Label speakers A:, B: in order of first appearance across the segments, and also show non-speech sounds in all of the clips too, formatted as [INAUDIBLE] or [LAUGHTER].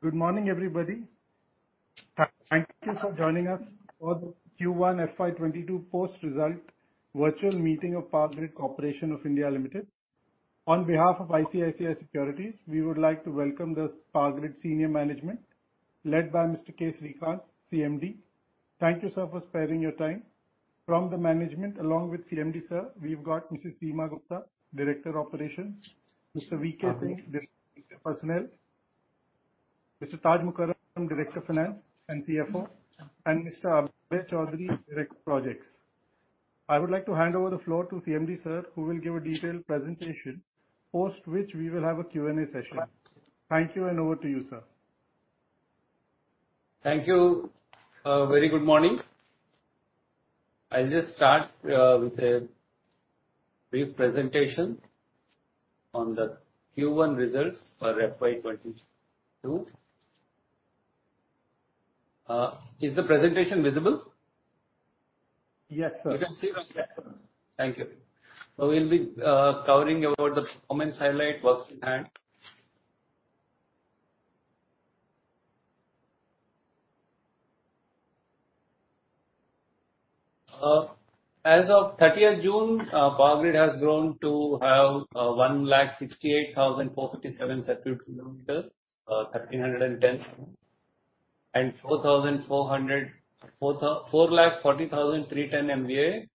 A: Good morning, everybody. Thank you for joining us for the Q1 FY 2022 post result virtual meeting of Power Grid Corporation of India Limited. On behalf of ICICI Securities, we would like to welcome the Power Grid senior management led by Mr. K. Sreekant, CMD. Thank you, sir, for sparing your time. From the management, along with CMD, sir, we've got Mrs. Seema Gupta, Director, Operations; Mr. V.K. Singh, Director, Personnel; Mr. M. Taj Mukarrum, Director, Finance and CFO; and Mr. Abhay Choudhary, Director, Projects. I would like to hand over the floor to CMD, sir, who will give a detailed presentation, post which we will have a Q&A session. Thank you, and over to you, sir.
B: Thank you. A very good morning. I'll just start with a brief presentation on the Q1 results for FY 2022. Is the presentation visible?
A: Yes, sir.
B: Thank you. We will be covering the performance highlight, works in hand. As of 30th June, Power Grid has grown to have 168,457 circuit kilometers, 1,310 and 440,310 MVA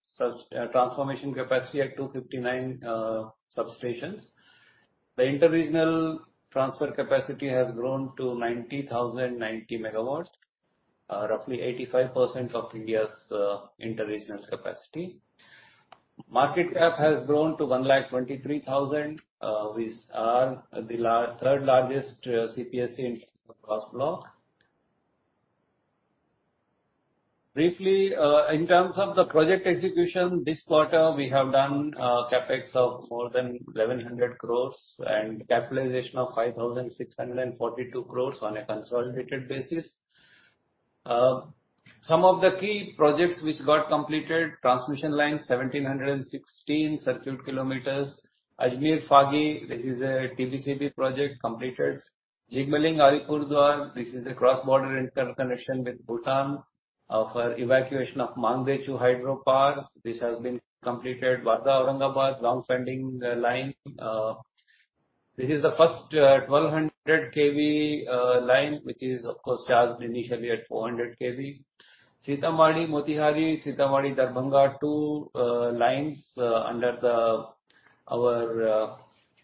B: transformation capacity at 259 substations. The inter-regional transfer capacity has grown to 90,090 MW, roughly 85% of India's inter-regional capacity. Market cap has grown to 123,000 crore. We are the third largest CPSE in terms of gross block. Briefly, in terms of the project execution, this quarter, we have done CapEx of more than 1,100 crore and capitalization of 5,642 crore on a consolidated basis. Some of the key projects which got completed, transmission lines, 1,716 circuit kilometers. Ajmer-Phagi, this is a TBCB project completed. Jigmeling-Alipurduar, this is a cross-border interconnection with Bhutan for evacuation of Mangdechhu Hydropower. This has been completed. Wardha-Aurangabad, long-standing line. This is the first 1,200 kV line, which is, of course, charged initially at 400 kV. Sitamarhi-Motihari, Sitamarhi-Darbhanga, two lines under our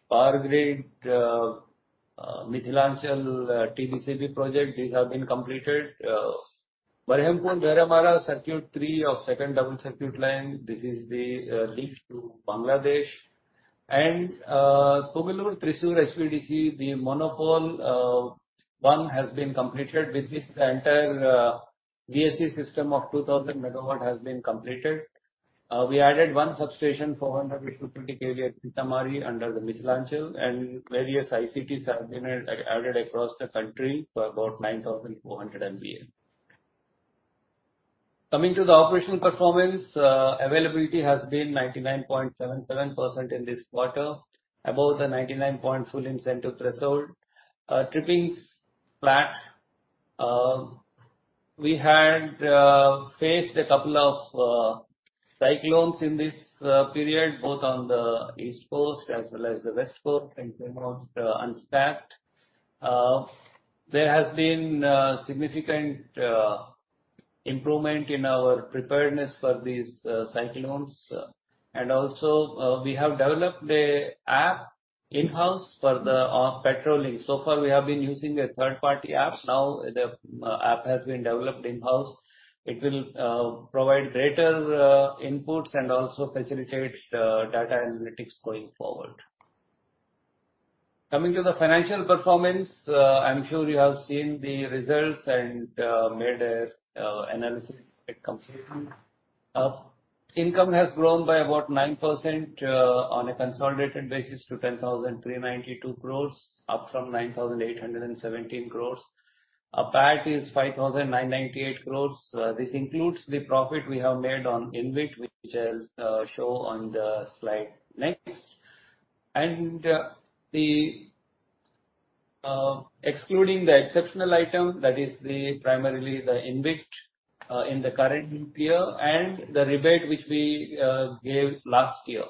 B: Power Grid Mithilanchal TBCB project. These have been completed. Baharampur-Bheramara Circuit-3 or second double circuit line. This is the link to Bangladesh. Pugalur-Thrissur HVDC, the monopole one has been completed. With this, the entire VSC system of 2,000 MW has been completed. We added one substation, 420 kV at Sitamarhi under the Mithilanchal, and various ICTs have been added across the country for about 9,400 MVA. Coming to the operational performance, availability has been 99.77% in this quarter, above the 99-point full incentive threshold. Trippings, flat. We had faced a couple of cyclones in this period, both on the East Coast as well as the West Coast, and came out unstuck. There has been significant improvement in our preparedness for these cyclones. Also, we have developed an app in-house for the patrolling. So far, we have been using third-party apps. Now the app has been developed in-house. It will provide greater inputs and also facilitate data analytics going forward. Coming to the financial performance, I'm sure you have seen the results and made an analysis completely. Income has grown by about 9% on a consolidated basis to 10,392 crores, up from 9,817 crores. PAT is 5,998 crores. This includes the profit we have made on InvIT, which I'll show on the slide next. Excluding the exceptional item, that is primarily the InvIT in the current year and the rebate which we gave last year.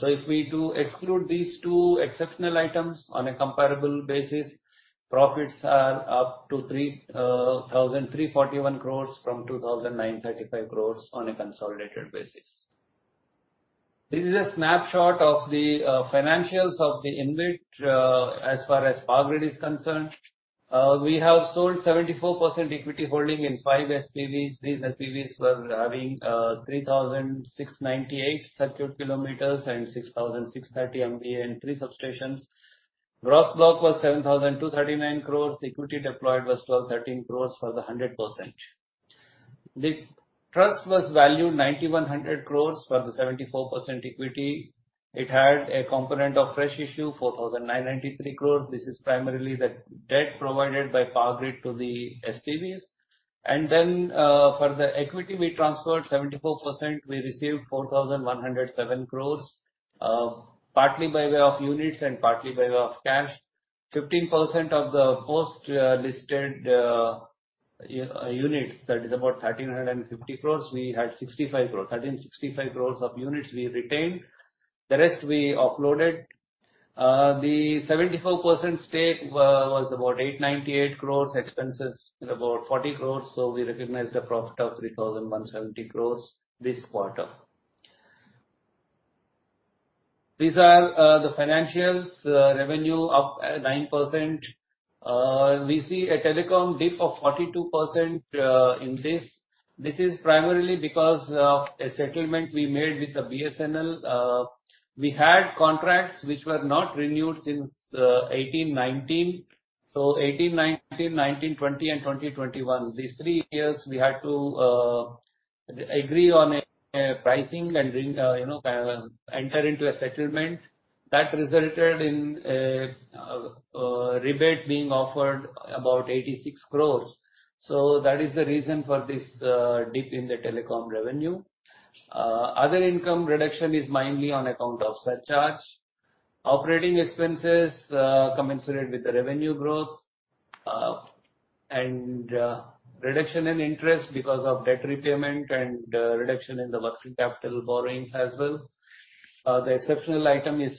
B: If we do exclude these two exceptional items on a comparable basis, profits are up to 3,341 crores from 2,935 crores on a consolidated basis. This is a snapshot of the financials of the InvIT as far as Power Grid is concerned. We have sold 74% equity holding in five SPVs. These SPVs were having 3,698 circuit kilometers and 6,630 MVA and three substations. Gross block was 7,239 crores. Equity deployed was 1,213 crores for the 100%. The trust was valued 9,100 crores for the 74% equity. It had a component of fresh issue, 4,993 crores. This is primarily the debt provided by Power Grid to the SPVs. For the equity we transferred, 74%, we received 4,107 crores, partly by way of units and partly by way of cash. 15% of the post-listed units, that is about 1,350 crores, we had 1,365 crores of units we retained. The rest we offloaded. The 74% stake was about 898 crores, expenses about 40 crores. We recognized a profit of 3,170 crores this quarter. These are the financials. Revenue up 9%. We see a telecom dip of 42% in this. This is primarily because of a settlement we made with the BSNL. We had contracts which were not renewed since 2018, 2019. 2018, 2019, 2020, and 2021. These three years, we had to agree on a pricing and enter into a settlement that resulted in a rebate being offered about 86 crores. That is the reason for this dip in the telecom revenue. Other income reduction is mainly on account of surcharge. Operating expenses commensurate with the revenue growth. Reduction in interest because of debt repayment and reduction in the working capital borrowings as well. The exceptional item is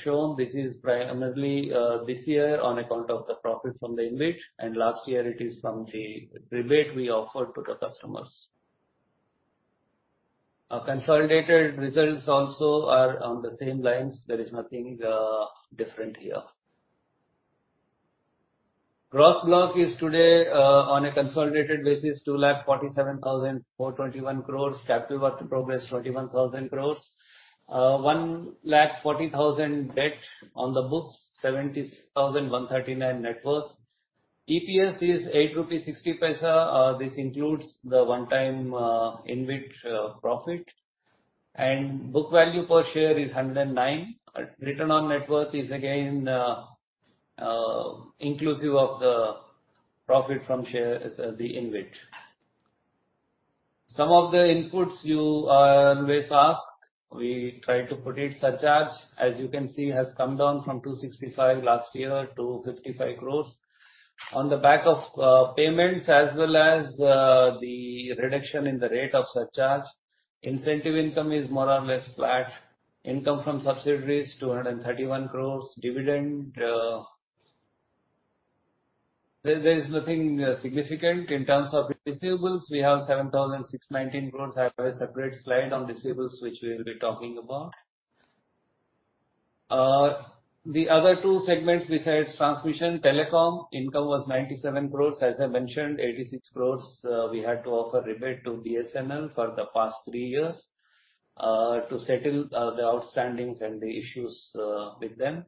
B: shown. This is primarily this year on account of the profit from the InvIT, and last year it is from the rebate we offered to the customers. Our consolidated results also are on the same lines. There is nothing different here. Gross block is today, on a consolidated basis, 2,47,421 crores. Capital work in progress, 21,000 crores. 1,40,000 debt on the books, 70,139 net worth. EPS is 8.60 rupees. This includes the one-time InvIT profit. Book value per share is 109. Return on net worth is again inclusive of the profit from shares, the InvIT. Some of the inputs you always ask, we try to put it. Surcharge, as you can see, has come down from 265 last year to 55 crores on the back of payments as well as the reduction in the rate of surcharge. Incentive income is more or less flat. Income from subsidiaries, 231 crores. Dividend. There is nothing significant in terms of receivables. We have 7,619 crores. I have a separate slide on receivables, which we'll be talking about. The other two segments besides transmission, telecom income was 97 crore. As I mentioned, 86 crore, we had to offer rebate to BSNL for the past three years, to settle the outstandings and the issues with them.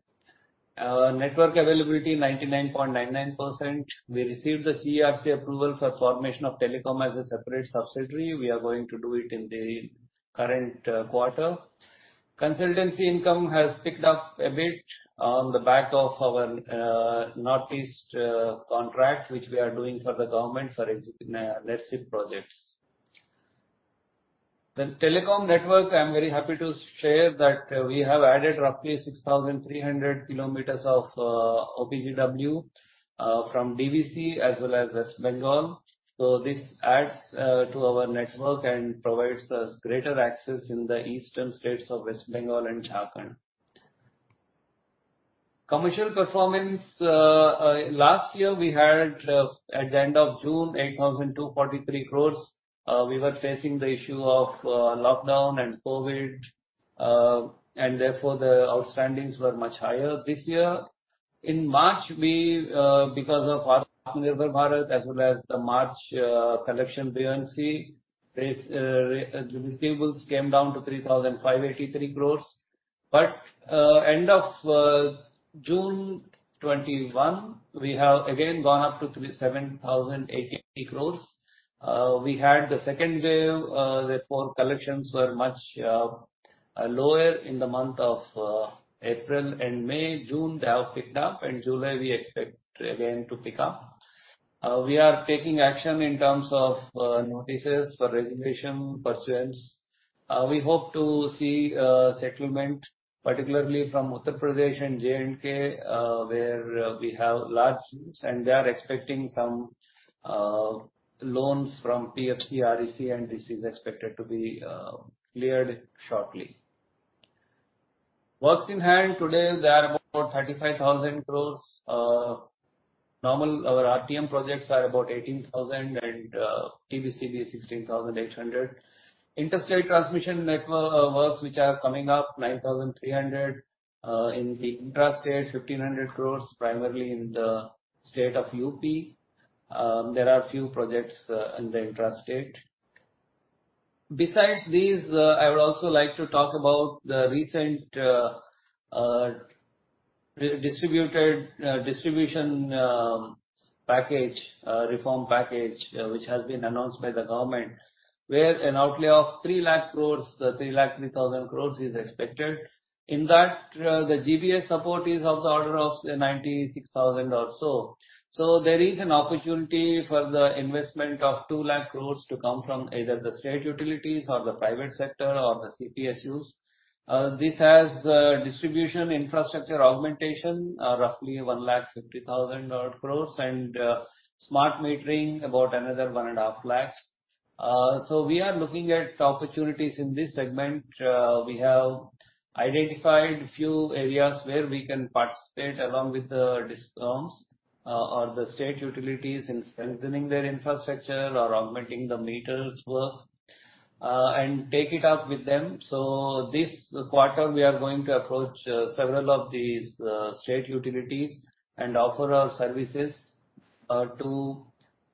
B: Network availability, 99.99%. We received the CERC approval for formation of telecom as a separate subsidiary. We are going to do it in the current quarter. Consultancy income has picked up a bit on the back of our Northeast contract, which we are doing for the government for NERPSIP projects. The telecom network, I'm very happy to share that we have added roughly 6,300 km of OPGW from DVC as well as West Bengal. This adds to our network and provides us greater access in the eastern states of West Bengal and Jharkhand. Commercial performance. Last year, we had, at the end of June, 8,243 crore. We were facing the issue of lockdown and COVID, therefore, the outstandings were much higher this year. In March, because of Atmanirbhar Bharat as well as the March collection buoyancy, receivables came down to 3,583 crore. End of June 2021, we have again gone up to 7,080 crore. We had the second wave. Therefore, collections were much lower in the month of April and May. June, they have picked up, July we expect again to pick up. We are taking action in terms of notices for [INAUDIBLE] pursuance. We hope to see settlement, particularly from Uttar Pradesh and J&K, where we have large dues, they are expecting some loans from PFC, REC, this is expected to be cleared shortly. Works in hand today, they are about 35,000 crore. Normal, our RTM projects are about 18,000 crore and TBCB 16,800 crore. Intrastate transmission network works which are coming up, 9,300. In the intrastate, 1,500 crore, primarily in the state of UP. There are few projects in the intrastate. Besides these, I would also like to talk about the Distributed distribution package, reform package, which has been announced by the government, where an outlay of 3 lakh crore, 3 lakh 3,000 crore is expected. In that, the GBS support is of the order of 96,000 or so. There is an opportunity for the investment of 2 lakh crore to come from either the state utilities or the private sector or the CPSUs. This has distribution infrastructure augmentation, roughly 1 lakh 50,000 odd crore, and smart metering about another one and a half lakhs. We are looking at opportunities in this segment. We have identified a few areas where we can participate along with the DISCOMs, or the state utilities in strengthening their infrastructure or augmenting the meters work, and take it up with them. This quarter, we are going to approach several of these state utilities and offer our services to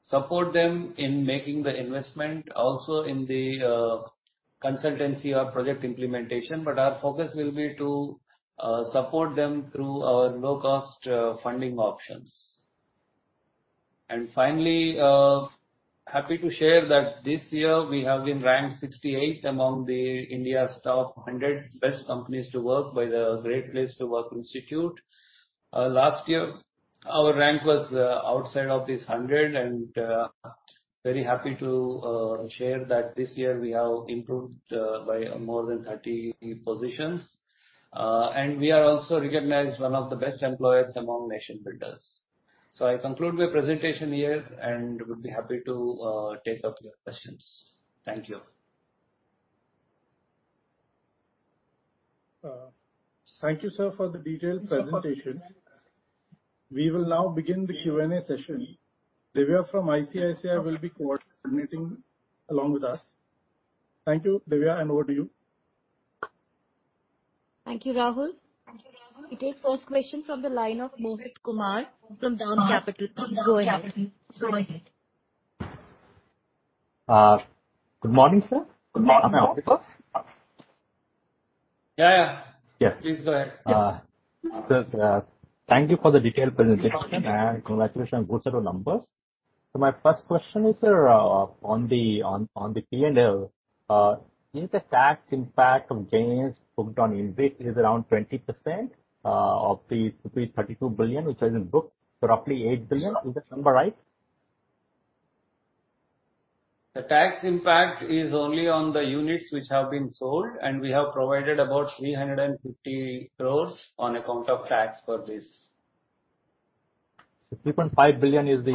B: support them in making the investment, also in the consultancy or project implementation. Our focus will be to support them through our low-cost funding options. Finally, happy to share that this year we have been ranked 68th among the India's top 100 best companies to work by the Great Place to Work Institute. Last year, our rank was outside of this 100 and very happy to share that this year we have improved by more than 30 positions. We are also recognized one of the best employers among Nation Builders. I conclude my presentation here and would be happy to take up your questions. Thank you.
A: Thank you, sir, for the detailed presentation. We will now begin the Q&A session. Divya from ICICI will be coordinating along with us. Thank you. Divya, over to you.
C: Thank you, Rahul. We take first question from the line of Mohit Kumar from DAM Capital. Please go ahead.
D: Good morning, sir. Am I audible?
B: Yeah.
D: Yes.
B: Please go ahead.
D: Thank you for the detailed presentation, and congratulations on good set of numbers. My first question is, sir, on the P&L, is the tax impact of gains booked on InvIT is around 20% of the 32 billion, which has been booked roughly INR 8 billion. Is this number right?
B: The tax impact is only on the units which have been sold, and we have provided about 350 crores on account of tax for this.
D: 3.5 billion is the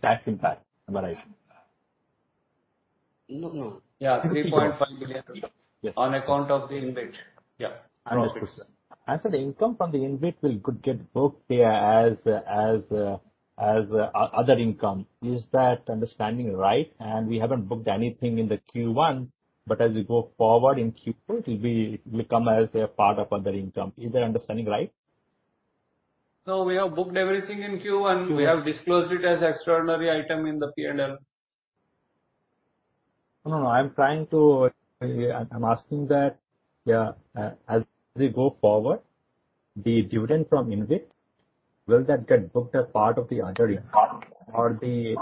D: tax impact, am I right?
B: No. Yeah, 3.5 billion on account of the InvIT.
D: Understood, sir. I said the income from the InvIT will get booked here as other income. Is that understanding right? We haven't booked anything in the Q1, but as we go forward in Q2, it will come as a part of other income. Is that understanding right?
B: No, we have booked everything in Q1. We have disclosed it as extraordinary item in the P&L.
D: No, I'm asking that, as we go forward, the dividend from InvIT, will that get booked as part of the other income? Or the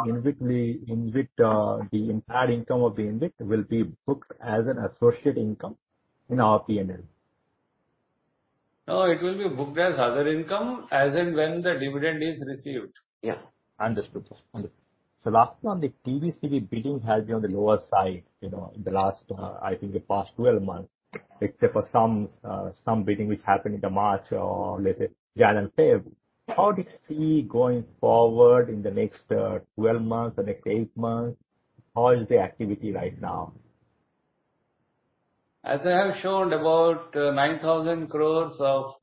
D: entire income of the InvIT will be booked as an associate income in our P&L?
B: No, it will be booked as other income as and when the dividend is received.
D: Yeah. Understood, sir. Last one. The TBCB bidding has been on the lower side in, I think, the past 12 months, except for some bidding which happened in the March or let's say, January, February. How do you see going forward in the next 12 months or the eight months? How is the activity right now?
B: As I have shown, about 9,000 crores of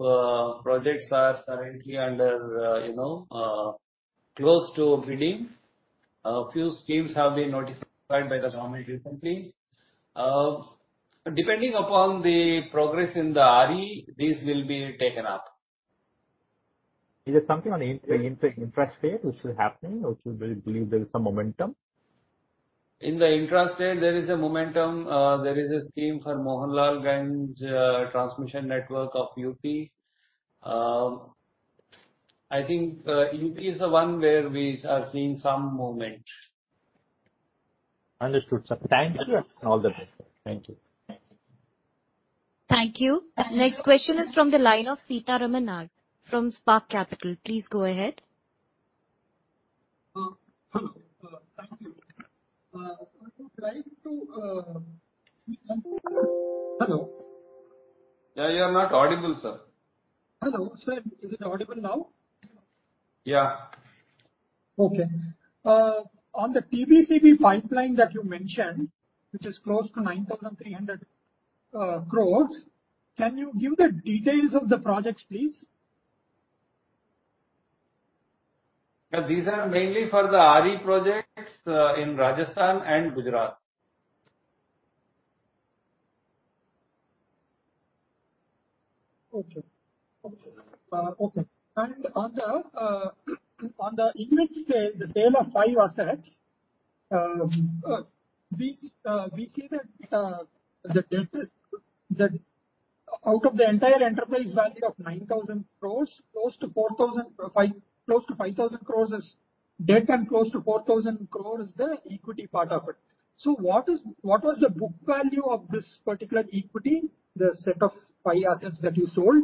B: projects are currently under close to bidding. A few schemes have been notified by the government recently. Depending upon the progress in the RE, these will be taken up.
D: Is there something on the intrastate which is happening, which you believe there is some momentum?
B: In the intrastate, there is a momentum. There is a scheme for Mohanlalganj transmission network of UP. I think UP is the one where we are seeing some movement.
D: Understood, sir. Thank you.
B: Thank you.
D: All the best, sir. Thank you.
C: Thank you. Next question is from the line of Seetharaman R. from Spark Capital. Please go ahead.
E: Hello. Thank you. [INAUDIBLE] Hello.
B: Yeah, you're not audible, sir.
E: Hello. Sir, is it audible now?
B: Yeah.
E: Okay. On the TBCB pipeline that you mentioned, which is close to 9,300 crore, can you give the details of the projects, please?
B: Yeah. These are mainly for the RE projects in Rajasthan and Gujarat.
E: Okay. On the InvIT sale, the sale of five assets. We see that out of the entire enterprise value of 9,000 crore, close to 5,000 crore is debt and close to 4,000 crore is the equity part of it. What was the book value of this particular equity, the set of five assets that you sold?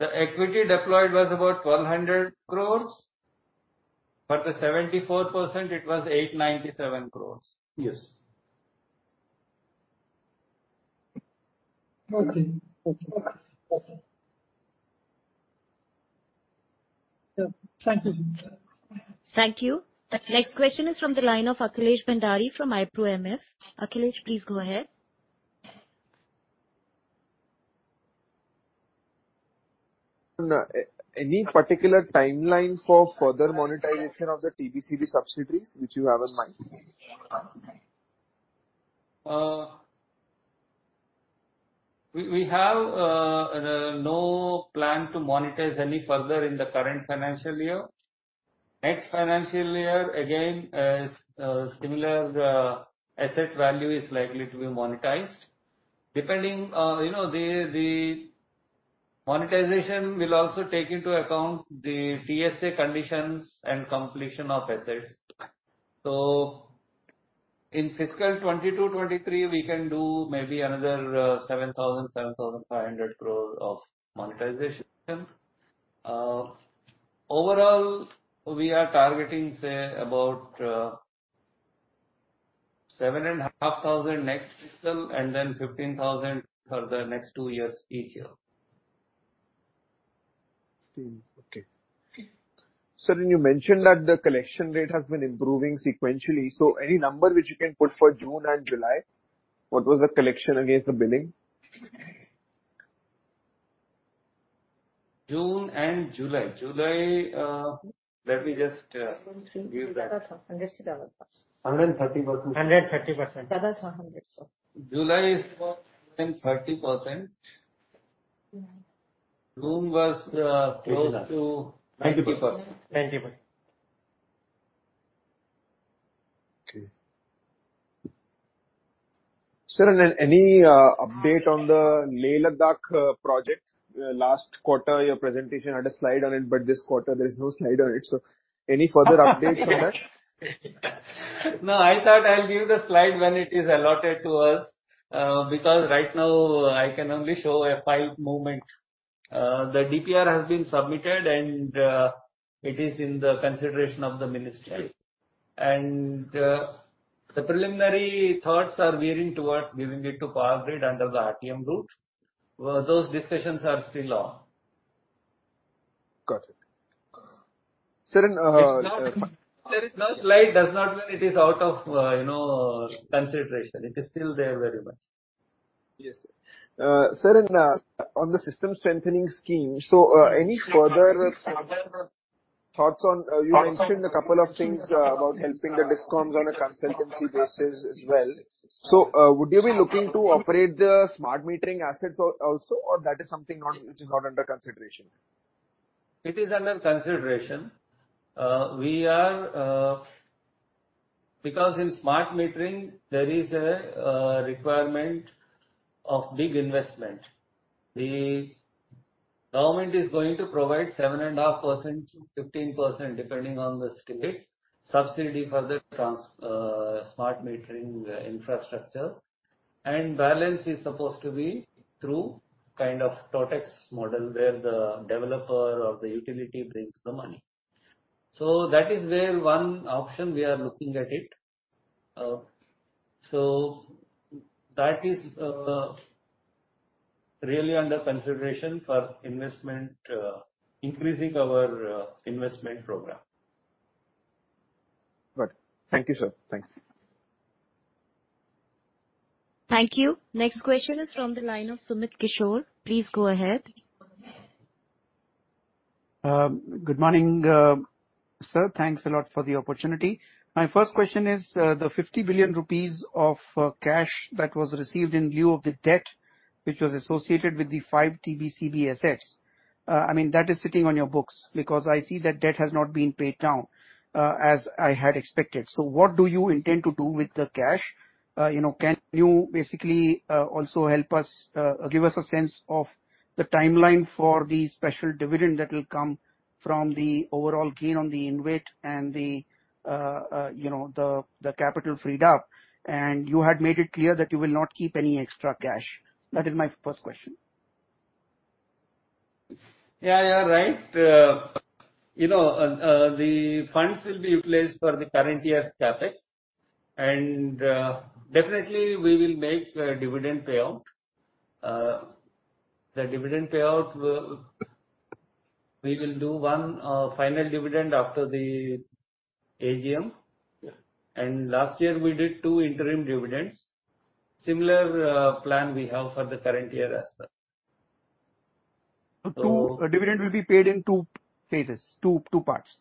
B: The equity deployed was about 1,200 crores, but the 74%, it was 897 crores.
E: Yes. Okay. Thank you, sir.
C: Thank you. Next question is from the line of Akhilesh Bhandari from ICICI Pru MF. Akhilesh, please go ahead.
F: Any particular timeline for further monetization of the TBCB subsidiaries which you have in mind?
B: We have no plan to monetize any further in the current financial year. Next financial year, again, similar asset value is likely to be monetized. The monetization will also take into account the TSA conditions and completion of assets. So in fiscal 2022/2023, we can do maybe another 7,000 crores, 7,500 crores of monetization. Overall, we are targeting, say, about 7,500 crores next fiscal and then 15,000 crores for the next two years each year.
F: Okay. Sir, you mentioned that the collection rate has been improving sequentially. Any number which you can put for June and July? What was the collection against the billing?
B: June and July. July, let me just give that.
G: 130%. [CROSSTALK]
B: July is about 130%. June was close to 90%.
G: 90%.
F: Okay. Sir, any update on the Leh Ladakh project? Last quarter, your presentation had a slide on it, but this quarter there is no slide on it. Any further updates on that?
B: I thought I'll give the slide when it is allotted to us, because right now I can only show a file movement. The DPR has been submitted, and it is in the consideration of the ministry.
F: Okay.
B: The preliminary thoughts are veering towards giving it to Power Grid under the RTM route. Those discussions are still on.
F: Got it.
B: There is no slide, does not mean it is out of consideration. It is still there very much.
F: Yes. Sir, on the system strengthening scheme, any further thoughts on, you mentioned a couple of things about helping the DISCOMs on a consultancy basis as well. Would you be looking to operate the smart metering assets also, or that is something which is not under consideration?
B: It is under consideration. In smart metering, there is a requirement of big investment. The government is going to provide 7.5%-15%, depending on the state, subsidy for the smart metering infrastructure, and balance is supposed to be through kind of TOTEX model where the developer of the utility brings the money. That is where one option we are looking at it. That is really under consideration for increasing our investment program.
F: Got it. Thank you, sir. Thanks.
C: Thank you. Next question is from the line of Sumit Kishore. Please go ahead.
H: Good morning, sir. Thanks a lot for the opportunity. My first question is, the 50 billion rupees of cash that was received in lieu of the debt, which was associated with the five TBCB assets. I mean, that is sitting on your books, because I see that debt has not been paid down as I had expected. What do you intend to do with the cash? Can you basically also help us, give us a sense of the timeline for the special dividend that will come from the overall gain on the InvIT and the capital freed up. You had made it clear that you will not keep any extra cash. That is my first question.
B: Yeah, you're right. The funds will be utilized for the current year's CapEx, definitely we will make a dividend payout. The dividend payout, we will do one final dividend after the AGM.
H: Yeah.
B: Last year we did two interim dividends. Similar plan we have for the current year as well.
H: Dividend will be paid in two phases. Two parts.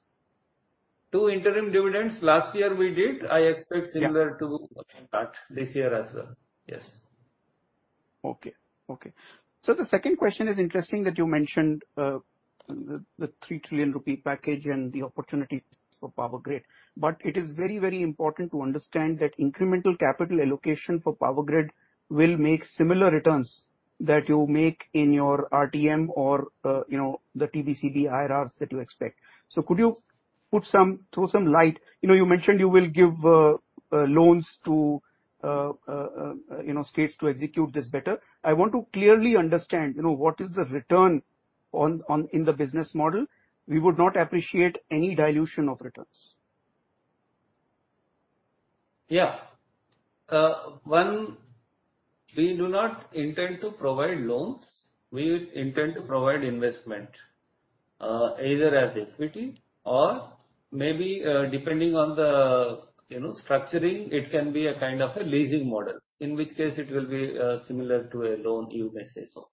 B: Two interim dividends last year we did. I expect similar to what we got this year as well. Yes.
H: Okay, okay. The second question is interesting that you mentioned the 3 trillion rupee package and the opportunity for Power Grid. It is very important to understand that incremental capital allocation for Power Grid will make similar returns that you make in your RTM or the TBCB IRRs that you expect. Could you throw some light. You mentioned you will give loans to states to execute this better. I want to clearly understand what is the return in the business model. We would not appreciate any dilution of returns.
B: Yeah. One, we do not intend to provide loans. We intend to provide investment, either as equity or maybe depending on the structuring, it can be a kind of a leasing model, in which case it will be similar to a loan, you may say so.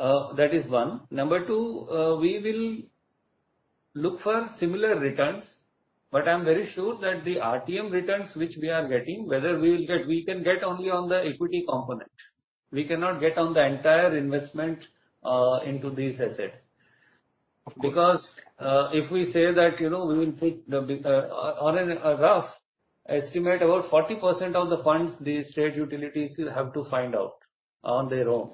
B: That is one. Number two, we will look for similar returns, but I'm very sure that the RTM returns, which we are getting, we can get only on the equity component. We cannot get on the entire investment into these assets. Because if we say that we will put on a rough estimate, about 40% of the funds these state utilities will have to find out on their own.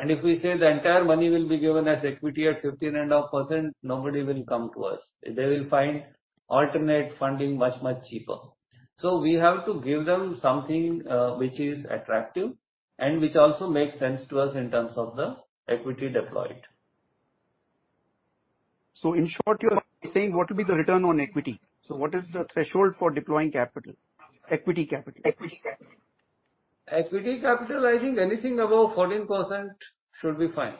B: If we say the entire money will be given as equity at 15.5%, nobody will come to us. They will find alternate funding much cheaper. We have to give them something which is attractive and which also makes sense to us in terms of the equity deployed.
H: In short, you are saying what will be the return on equity? What is the threshold for deploying capital, equity capital?
B: Equity capital, I think anything above 14% should be fine.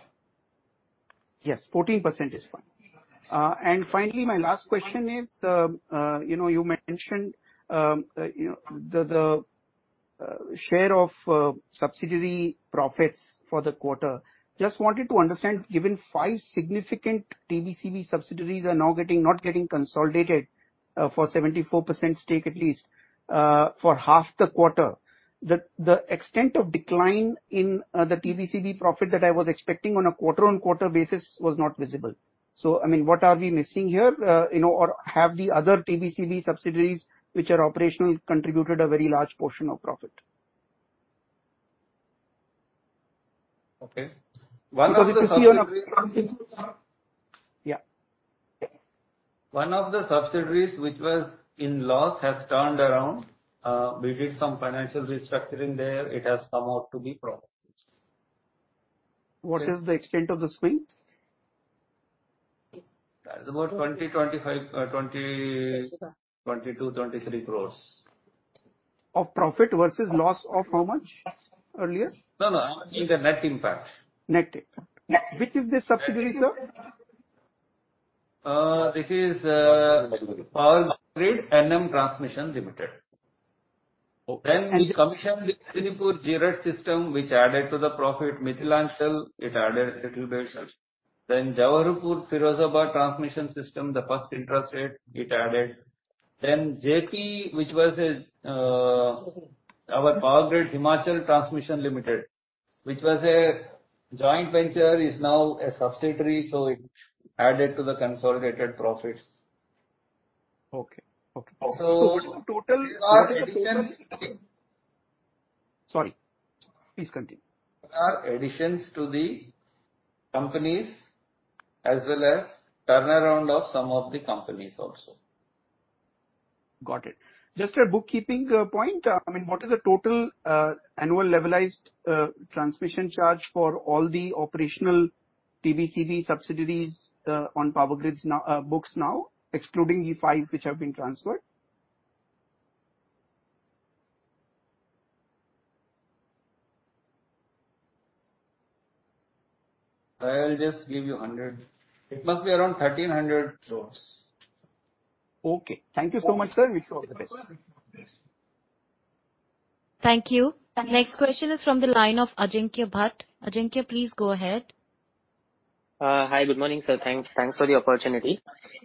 H: Yes, 14% is fine. Finally, my last question is, you mentioned the share of subsidiary profits for the quarter. Just wanted to understand, given five significant TBCB subsidiaries are now not getting consolidated for 74% stake, at least for half the quarter, the extent of decline in the TBCB profit that I was expecting on a quarter-on-quarter basis was not visible. What are we missing here? Or have the other TBCB subsidiaries which are operational contributed a very large portion of profit?
B: Okay. One of the subsidiaries-
H: Yeah.
B: One of the subsidiaries which was in loss has turned around. We did some financial restructuring there. It has come out to be profit.
H: What is the extent of the swing?
B: That is about 20, 25, 20, 22, 23 crores.
H: Of profit versus loss of how much earlier?
B: No. I'm asking the net impact.
H: Net impact. Which is this subsidiary, sir?
B: This is POWERGRID NM Transmission Limited.
H: Okay.
B: We commissioned the Manipur-Jiribam system, which added to the profit. Mithilanchal, it added a little bit. Jawaharpur Firozabad Transmission System, the first intrastate, it added. Jaypee, which was our POWERGRID Himachal Transmission Limited, which was a joint venture, is now a subsidiary, so it added to the consolidated profits.
H: Okay.
B: So-
H: What is the total-
B: These are additions.
H: Sorry. Please continue.
B: These are additions to the companies as well as turnaround of some of the companies also.
H: Got it. Just a bookkeeping point. What is the total annual levelized transmission charge for all the operational TBCB subsidiaries on Power Grid's books now, excluding the five which have been transferred?
B: I'll just give you 100. It must be around 1,300 crores.
H: Okay. Thank you so much, sir. Wish you all the best.
I: Thank you. Next question is from the line of Ajinkya Bhat. Ajinkya, please go ahead.
J: Hi. Good morning, sir. Thanks for the opportunity.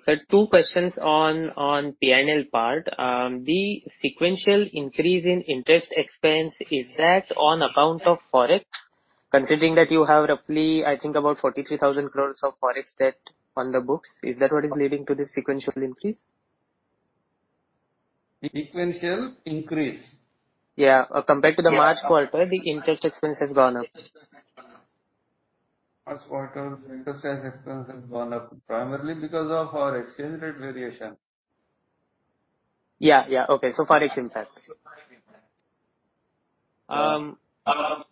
J: Sir, two questions on P&L part. The sequential increase in interest expense, is that on account of forex? Considering that you have roughly, I think about 43,000 crores of forex debt on the books. Is that what is leading to the sequential increase?
B: Sequential increase?
J: Yeah. Compared to the March quarter, the interest expense has gone up.
B: March quarter, interest expense has gone up primarily because of our exchange rate variation.
J: Yeah. Okay. Forex impact.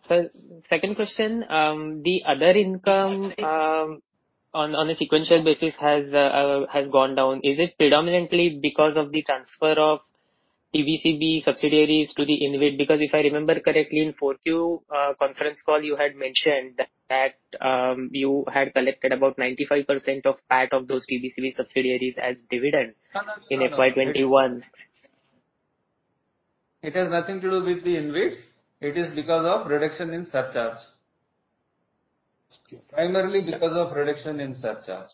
J: Sir, second question. The other income on a sequential basis has gone down. Is it predominantly because of the transfer of TBCB subsidiaries to the InvIT? If I remember correctly, in 4Q conference call, you had mentioned that you had collected about 95% of PAT of those TBCB subsidiaries as dividend in FY 2021.
B: It has nothing to do with the InvIT. It is because of reduction in surcharge.
J: Okay.
B: Primarily because of reduction in surcharge.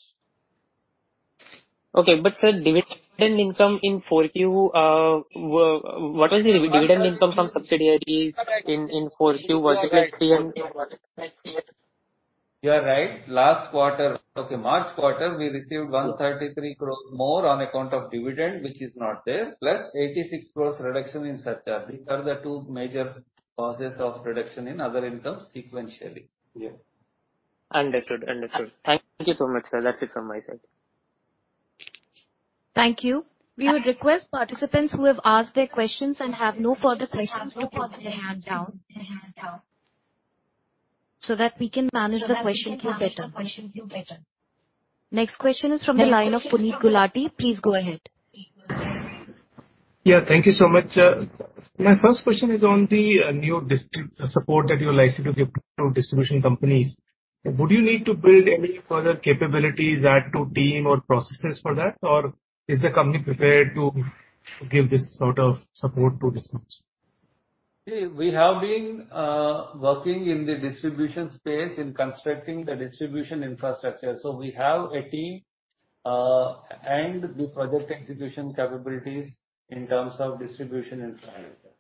J: Okay. Sir, dividend income in 4Q, what was the dividend income from subsidiaries in 4Q versus 3Q?
B: You are right. Last quarter, March quarter, we received 133 crores more on account of dividend, which is not there, plus 86 crores reduction in surcharge. These are the two major causes of reduction in other income sequentially.
J: Yeah. Understood. Thank you so much, sir. That's it from my side.
I: Thank you. We would request participants who have asked their questions and have no further questions to put their hand down, so that we can manage the question queue better. Next question is from the line of Puneet Gulati. Please go ahead.
K: Yeah. Thank you so much. My first question is on the new support that you are likely to give to distribution companies. Would you need to build any further capabilities, add to team or processes for that? Or is the company prepared to give this sort of support to distributors?
B: We have been working in the distribution space, in constructing the distribution infrastructure. We have a team, and the project execution capabilities in terms of distribution infrastructure.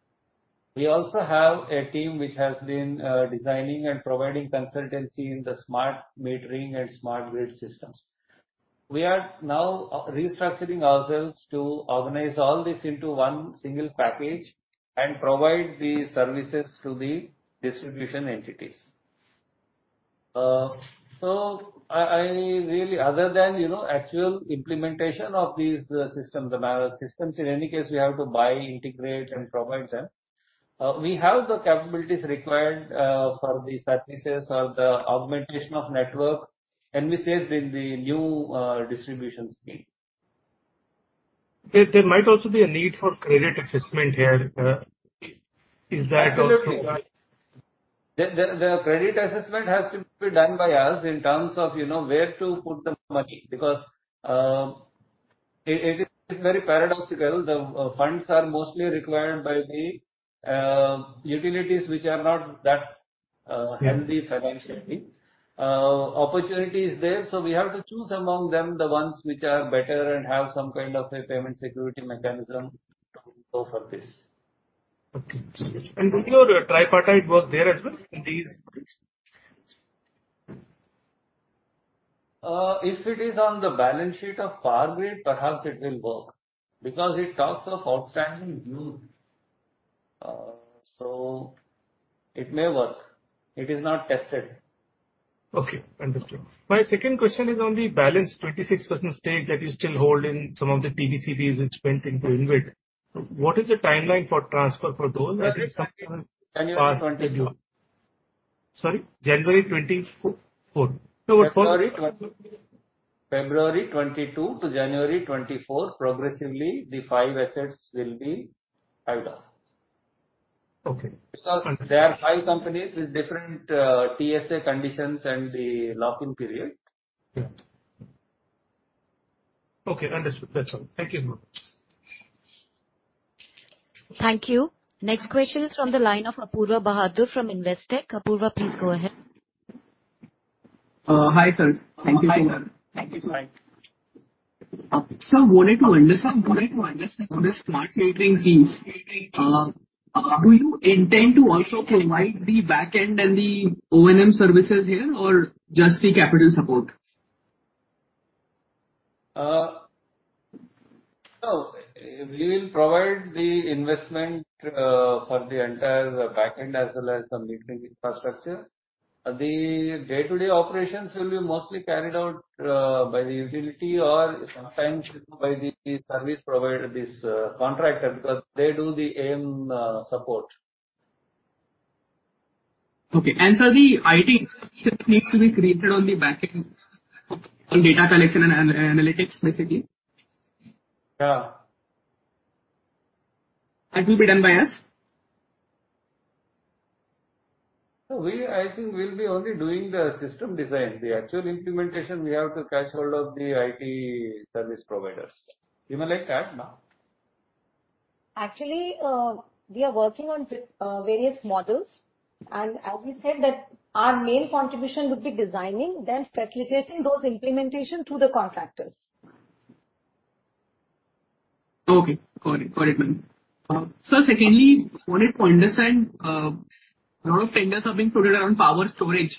B: We also have a team which has been designing and providing consultancy in the smart metering and smart grid systems. We are now restructuring ourselves to organize all this into one single package and provide the services to the distribution entities. Other than actual implementation of these systems, in any case, we have to buy, integrate, and provide them. We have the capabilities required for the services or the augmentation of network, and we say it's in the New Distribution Scheme.
K: There might also be a need for credit assessment here. Is that also-
B: Absolutely. The credit assessment has to be done by us in terms of where to put the money, because it is very paradoxical. The funds are mostly required by the utilities which are not that healthy financially. Opportunity is there, so we have to choose among them the ones which are better and have some kind of a payment security mechanism to go for this.
K: Okay. Will your tripartite work there as well in these?
B: If it is on the balance sheet of Power Grid, perhaps it will work, because it talks of outstanding dues. It may work. It is not tested.
K: Okay, understood. My second question is on the balance 26% stake that you still hold in some of the TBCBs you spent into InvIT. What is the timeline for transfer for those?
B: January 2024.
K: Sorry, January 2024?
B: February 2022 to January 2024, progressively, the five assets will be handed off.
K: Okay.
B: There are five companies with different TSA conditions and the lock-in period.
K: Yeah. Okay, understood. That's all. Thank you.
I: Thank you. Next question is from the line of Apoorva Bahadur from Investec. Apurva, please go ahead.
L: Hi, sir. Thank you.
B: Hi.
L: Sir, wanted to understand on the smart metering piece, do you intend to also provide the back end and the O&M services here or just the capital support?
B: We will provide the investment for the entire back end as well as the metering infrastructure. The day-to-day operations will be mostly carried out by the utility or sometimes by the service provider, this contractor, because they do the AMC support.
L: Okay. Sir, the IT system needs to be created on the back end on data collection and analytics, basically?
B: Yeah.
L: That will be done by us?
B: I think we'll be only doing the system design. The actual implementation, we have to catch hold of the IT service providers. [INAUDIBLE]
M: Actually, we are working on various models, and as we said, that our main contribution would be designing, then facilitating those implementation through the contractors.
L: Okay. Got it, ma'am. Sir, secondly, wanted to understand, a lot of tenders are being floated around power storage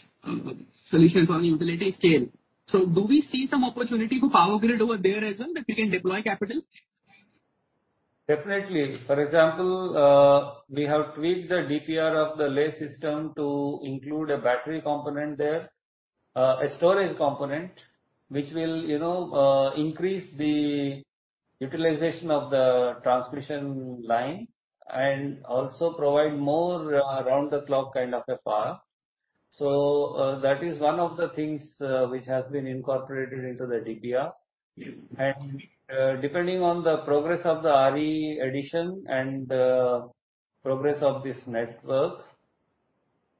L: solutions on utility scale. Do we see some opportunity for Power Grid over there as well that we can deploy capital?
B: Definitely. For example, we have tweaked the DPR of the Leh system to include a battery component there, a storage component, which will increase the utilization of the transmission line and also provide more around-the-clock kind of a power. That is one of the things which has been incorporated into the DPR. Depending on the progress of the RE addition and progress of this network,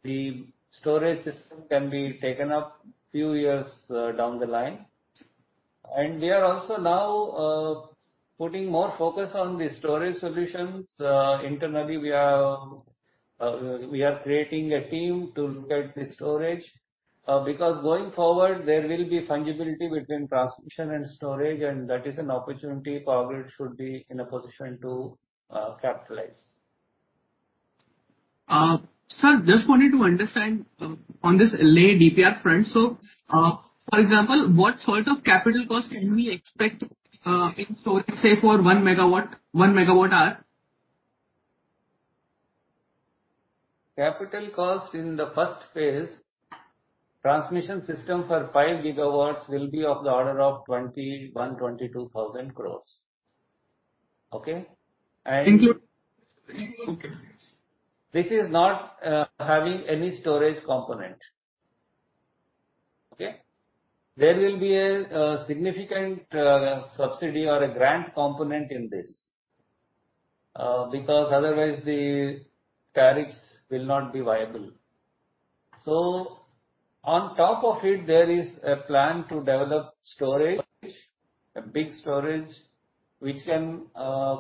B: the storage system can be taken up few years down the line. We are also now putting more focus on the storage solutions. Internally, we are creating a team to look at the storage, because going forward, there will be fungibility between transmission and storage, and that is an opportunity Power Grid should be in a position to capitalize.
L: Sir, just wanted to understand on this Leh DPR front. For example, what sort of capital cost can we expect in storage, say, for 1 MW hour?
B: Capital cost in the first phase, transmission system for 5 GW will be of the order of 21,000 crores-22,000 crores. Okay?
L: [INAUDIBLE] Okay.
B: This is not having any storage component. Okay? There will be a significant subsidy or a grant component in this, because otherwise the tariffs will not be viable. On top of it, there is a plan to develop storage, a big storage, which can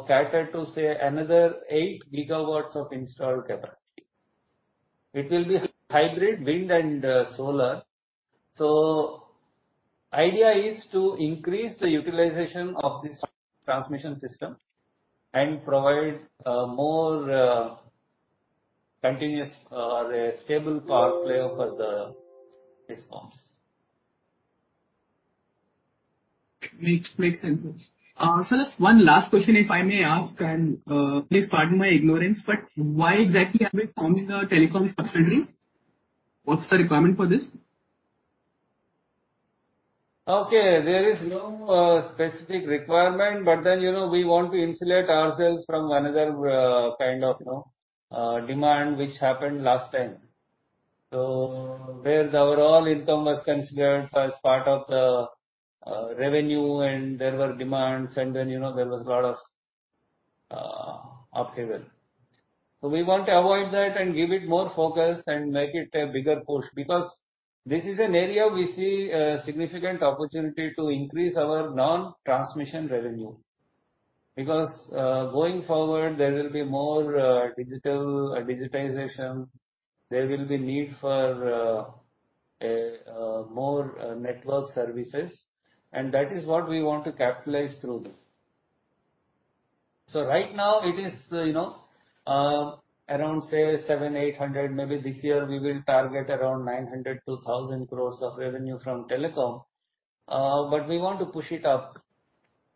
B: cater to, say, another 8 GW of installed capacity. It will be hybrid wind and solar. Idea is to increase the utilization of this transmission system and provide more continuous or a stable power play for the DISCOMs.
L: Makes sense. Sir, just one last question, if I may ask, and please pardon my ignorance, but why exactly are we forming a telecom subsidiary? What's the requirement for this?
B: There is no specific requirement. We want to insulate ourselves from another kind of demand which happened last time. Where the overall income was considered as part of the revenue and there were demands, there was a lot of upheaval. We want to avoid that and give it more focus and make it a bigger push, because this is an area we see a significant opportunity to increase our non-transmission revenue. Going forward, there will be more digitalization, there will be need for more network services, and that is what we want to capitalize through this. Right now it is around, say, 700, 800. Maybe this year we will target around 900 to 1,000 crores of revenue from telecom. We want to push it up,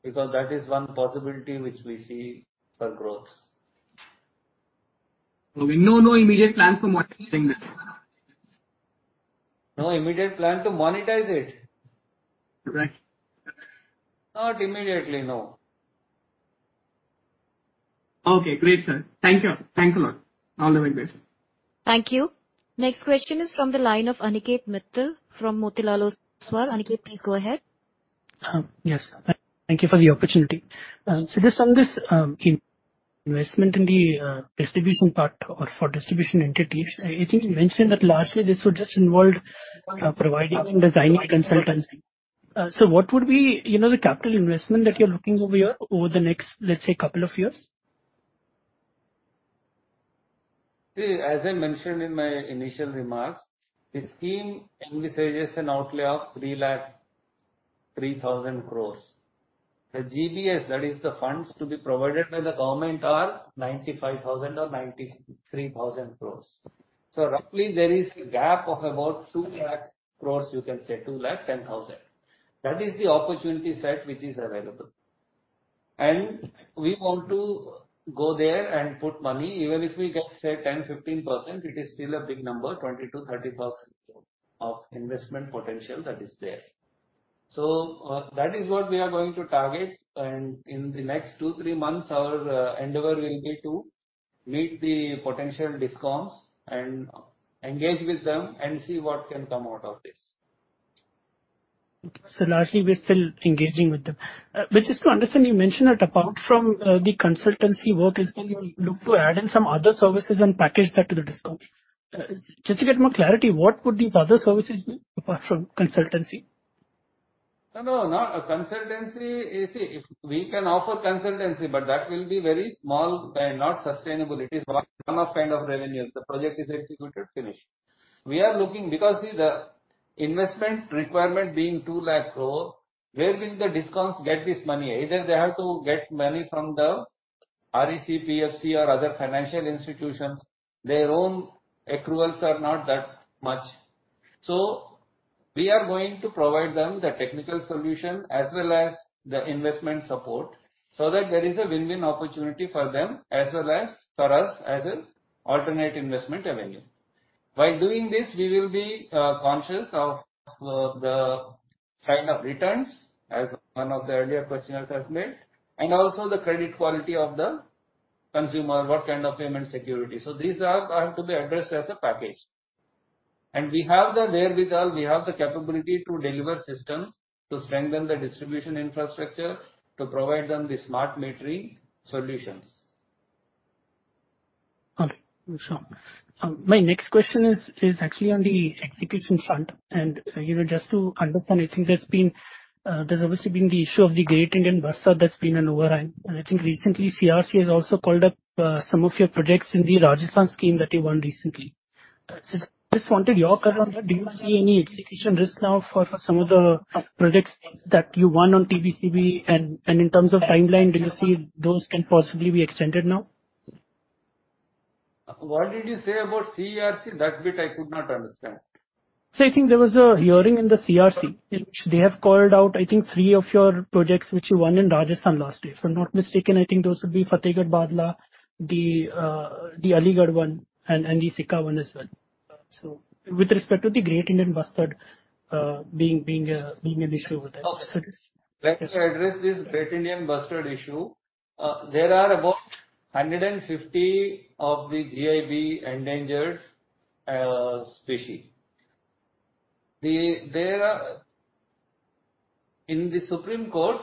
B: because that is one possibility which we see for growth.
L: No immediate plans for monetizing this?
B: No immediate plan to monetize it.
L: Right.
B: Not immediately, no.
L: Okay, great, sir. Thanks a lot. All the way best.
I: Thank you. Next question is from the line of Aniket Mittal from Motilal Oswal. Aniket, please go ahead.
N: Yes. Thank you for the opportunity. Sir, just on this investment in the distribution part or for distribution entities, I think you mentioned that largely this would just involve providing and designing consultancy. Sir, what would be the capital investment that you're looking over here over the next, let's say, couple of years?
B: As I mentioned in my initial remarks, the scheme envisages an outlay of 3,03,000 crores. The GBS, that is the funds to be provided by the government are 95,000 crores or 93,000 crores. Roughly there is a gap of about 2 lakh crores, you can say 2,10,000. That is the opportunity set which is available. We want to go there and put money. Even if we get, say, 10%, 15%, it is still a big number, 20%-30% of investment potential that is there. That is what we are going to target. In the next two, three months, our endeavor will be to meet the potential DISCOMs and engage with them and see what can come out of this.
N: Sir, largely we're still engaging with them. Just to understand, you mentioned that apart from the consultancy work, is when you look to add in some other services and package that to the DISCOM. Just to get more clarity, what would these other services be apart from consultancy?
B: No, consultancy. See, we can offer consultancy, but that will be very small and not sustainable. It is one-time kind of revenue. The project is executed, finished. We are looking, because, see, the investment requirement being 2 lakh crore, where will the DISCOMs get this money? Either they have to get money from the REC, PFC, or other financial institutions. Their own accruals are not that much. We are going to provide them the technical solution as well as the investment support so that there is a win-win opportunity for them as well as for us as an alternate investment avenue. While doing this, we will be conscious of the kind of returns as one of the earlier questioners has made, and also the credit quality of the consumer, what kind of payment security. These have to be addressed as a package. We have the wherewithal, we have the capability to deliver systems to strengthen the distribution infrastructure, to provide them the smart metering solutions.
N: All right. Sure. My next question is actually on the execution front. Just to understand, there's obviously been the issue of the Great Indian Bustard that's been an overhang. I think recently, CERC has also called up some of your projects in the Rajasthan scheme that you won recently. I just wanted your comment. Do you see any execution risk now for some of the projects that you won on TBCB? In terms of timeline, do you see those can possibly be extended now?
B: What did you say about CERC? That bit I could not understand.
N: I think there was a hearing in the CERC in which they have called out, I think, three of your projects which you won in Rajasthan last year. If I'm not mistaken, I think those would be Fatehgarh-Bhadla, the Aligarh one, and the Sikar one as well. With respect to the Great Indian Bustard being an issue with that.
B: Okay. Let me address this Great Indian Bustard issue. There are about 150 of the GIB endangered species. In that hearing, the Supreme Court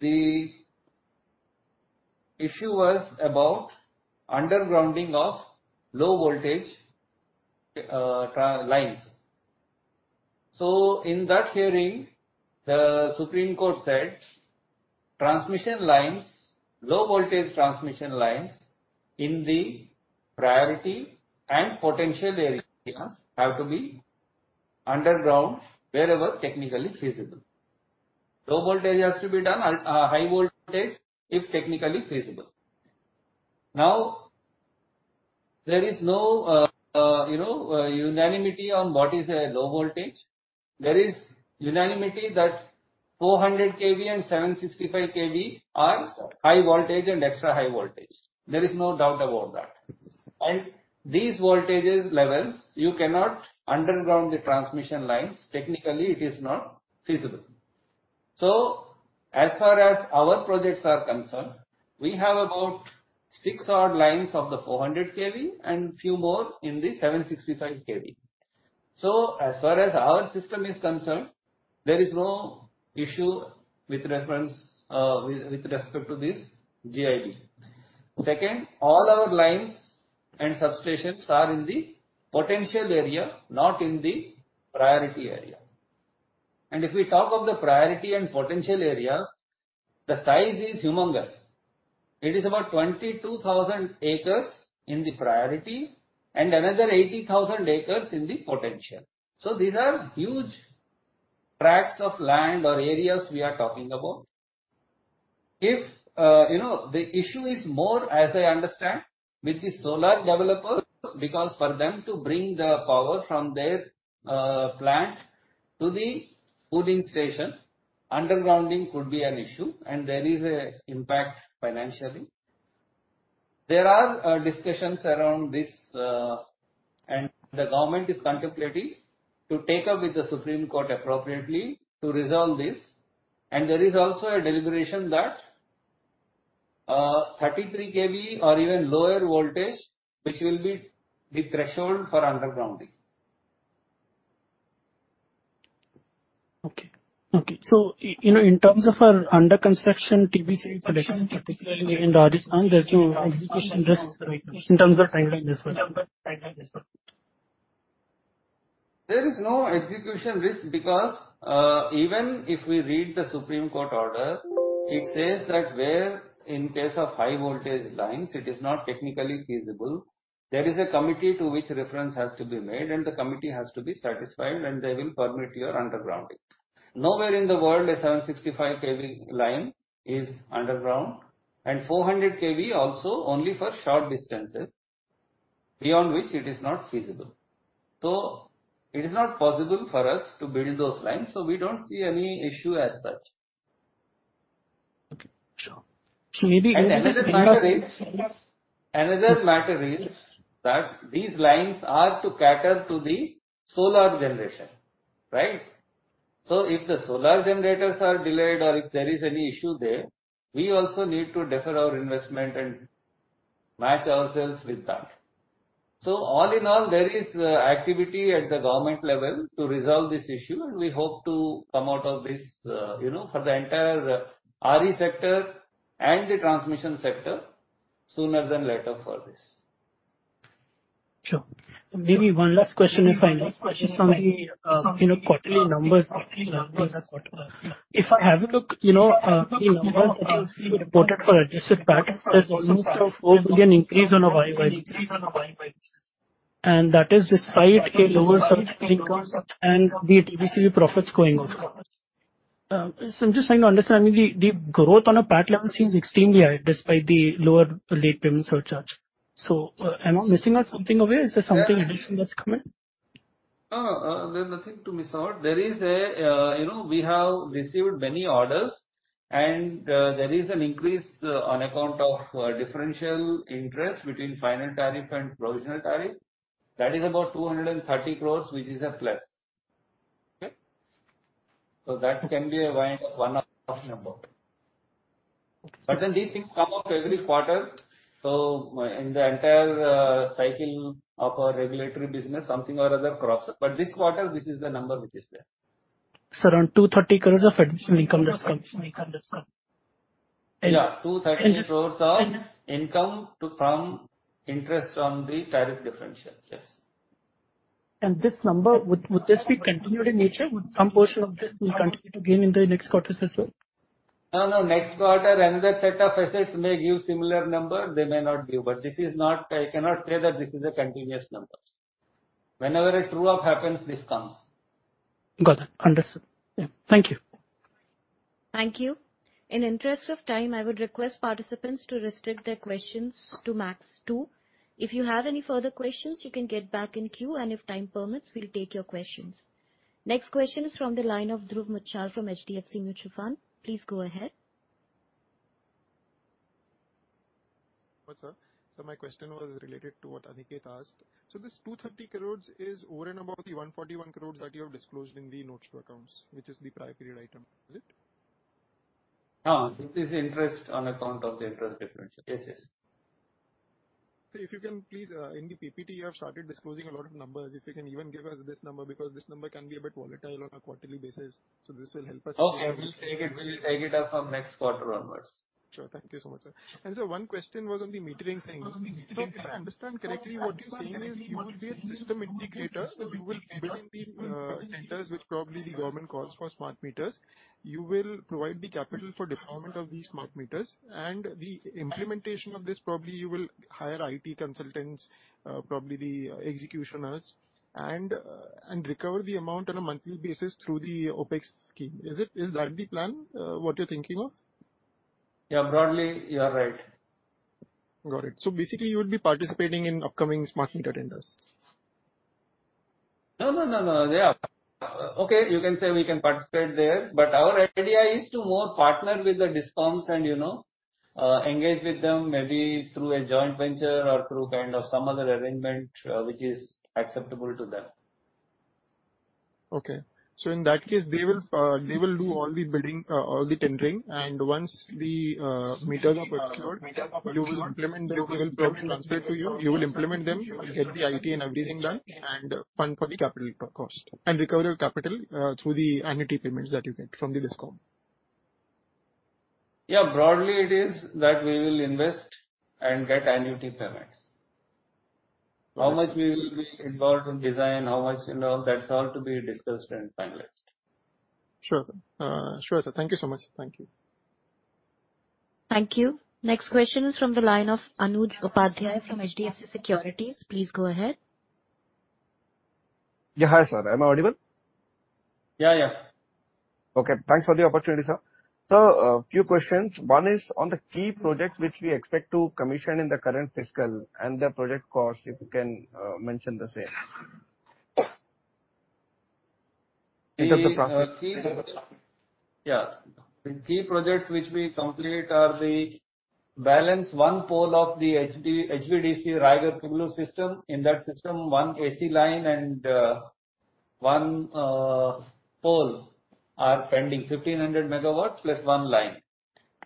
B: said low voltage transmission lines in the priority and potential areas have to be underground wherever technically feasible. Low voltage has to be done, high voltage, if technically feasible. There is no unanimity on what is a low voltage. There is unanimity that 400 kV and 765 kV are high voltage and extra high voltage. There is no doubt about that. These voltages levels, you cannot underground the transmission lines. Technically, it is not feasible. As far as our projects are concerned, we have about six odd lines of the 400 kV and few more in the 765 kV. As far as our system is concerned, there is no issue with respect to this GIB. Second, all our lines and substations are in the potential area, not in the priority area. If we talk of the priority and potential areas, the size is humongous. It is about 22,000 acres in the priority and another 80,000 acres in the potential. These are huge tracts of land or areas we are talking about. The issue is more, as I understand, with the solar developers, because for them to bring the power from their plant to the loading station, undergrounding could be an issue, and there is an impact financially. There are discussions around this, and the government is contemplating to take up with the Supreme Court appropriately to resolve this. There is also a deliberation that 33 kV or even lower voltage, which will be the threshold for undergrounding.
N: Okay. In terms of our under construction TBC projects, particularly in Rajasthan, there's no execution risk right now in terms of timeline as well?
B: There is no execution risk because even if we read the Supreme Court order, it says that where in case of high voltage lines, it is not technically feasible. There is a committee to which reference has to be made, and the committee has to be satisfied, and they will permit your undergrounding. Nowhere in the world a 765 kV line is underground, and 400 kV also only for short distances, beyond which it is not feasible. It is not possible for us to build those lines, so we don't see any issue as such.
N: Okay, sure. [CROSSTALK]
B: Another matter is that these lines are to cater to the solar generation. Right? If the solar generators are delayed or if there is any issue there, we also need to defer our investment and match ourselves with that. All in all, there is activity at the government level to resolve this issue, and we hope to come out of this, for the entire RE sector and the transmission sector, sooner than later for this.
N: Sure. Maybe one last question, if I may. Just on the quarterly numbers. If I have a look, in numbers, I think you reported for adjusted PAT, there's almost an 4 billion increase on a year-over-year basis, and that is despite a lower surcharge income and the TBCB profits going off. I'm just trying to understand. I mean, the growth on a PAT level seems extremely high despite the lower late payment surcharge. Am I missing out something away? Is there something additional that's coming?
B: No, there's nothing to miss out. We have received many orders. There is an increase on account of differential interest between final tariff and provisional tariff. That is about 230 crores, which is a plus. Okay? That can be a one-off number.
N: Okay.
B: These things come out every quarter. In the entire cycle of our regulatory business, something or other crops up. This quarter, this is the number which is there.
N: It's around 230 crores of additional income this time.
B: Yeah, 230 crores of income from interest on the tariff differential. Yes.
N: This number, would this be continued in nature? Would some portion of this will continue to gain in the next quarters as well?
B: Next quarter, another set of assets may give similar number, they may not give. I cannot say that this is a continuous numbers. Whenever a true-up happens, this comes.
N: Got that. Understood. Yeah. Thank you.
I: Thank you. In interest of time, I would request participants to restrict their questions to max two. If you have any further questions, you can get back in queue, and if time permits, we'll take your questions. Next question is from the line of Dhruv Muchhal from HDFC Mutual Fund. Please go ahead.
O: What, sir? My question was related to what Aniket asked. This 230 crore is over and above the 141 crore that you have disclosed in the notes to accounts, which is the prior period item, is it?
B: It is interest on account of the interest differential. Yes.
O: If you can please, in the PPT, you have started disclosing a lot of numbers. If you can even give us this number, because this number can be a bit volatile on a quarterly basis, so this will help us.
B: Okay. We'll take it up from next quarter onwards.
O: Sure. Thank you so much, sir. Sir, one question was on the metering thing. If I understand correctly, what you're saying is you will be a system integrator. You will build the tenders which probably the government calls for smart meters. You will provide the capital for deployment of these smart meters and the implementation of this, probably you will hire IT consultants, probably the executioners, and recover the amount on a monthly basis through the OPEX scheme. Is that the plan? What you're thinking of?
B: Yeah. Broadly, you are right.
O: Got it. Basically, you would be participating in upcoming smart meter tenders.
B: No. Okay, you can say we can participate there, but our idea is to more partner with the DISCOMs and engage with them, maybe through a joint venture or through some other arrangement which is acceptable to them.
O: Okay. In that case, they will do all the tendering, and once the meters are procured, you will implement them. They will transfer to you will implement them, get the IT and everything done, and fund for the capital cost, and recover your capital through the annuity payments that you get from the DISCOM.
B: Yeah. Broadly it is that we will invest and get annuity payments. How much we will be involved in design, how much in all that, is all to be discussed and finalized.
O: Sure, sir. Thank you so much. Thank you.
I: Thank you. Next question is from the line of Anuj Upadhyay from HDFC Securities. Please go ahead.
P: Yeah. Hi, sir. Am I audible?
B: Yeah.
P: Okay. Thanks for the opportunity, sir. Sir, a few questions. One is on the key projects which we expect to commission in the current fiscal and the project cost, if you can mention the same.
B: The key-
P: In terms of the process.
B: Yeah. The key projects which we complete are the balance one pole of the HVDC Raigarh-Pugalur system. In that system, one AC line and one pole are pending, 1,500 MW plus one line.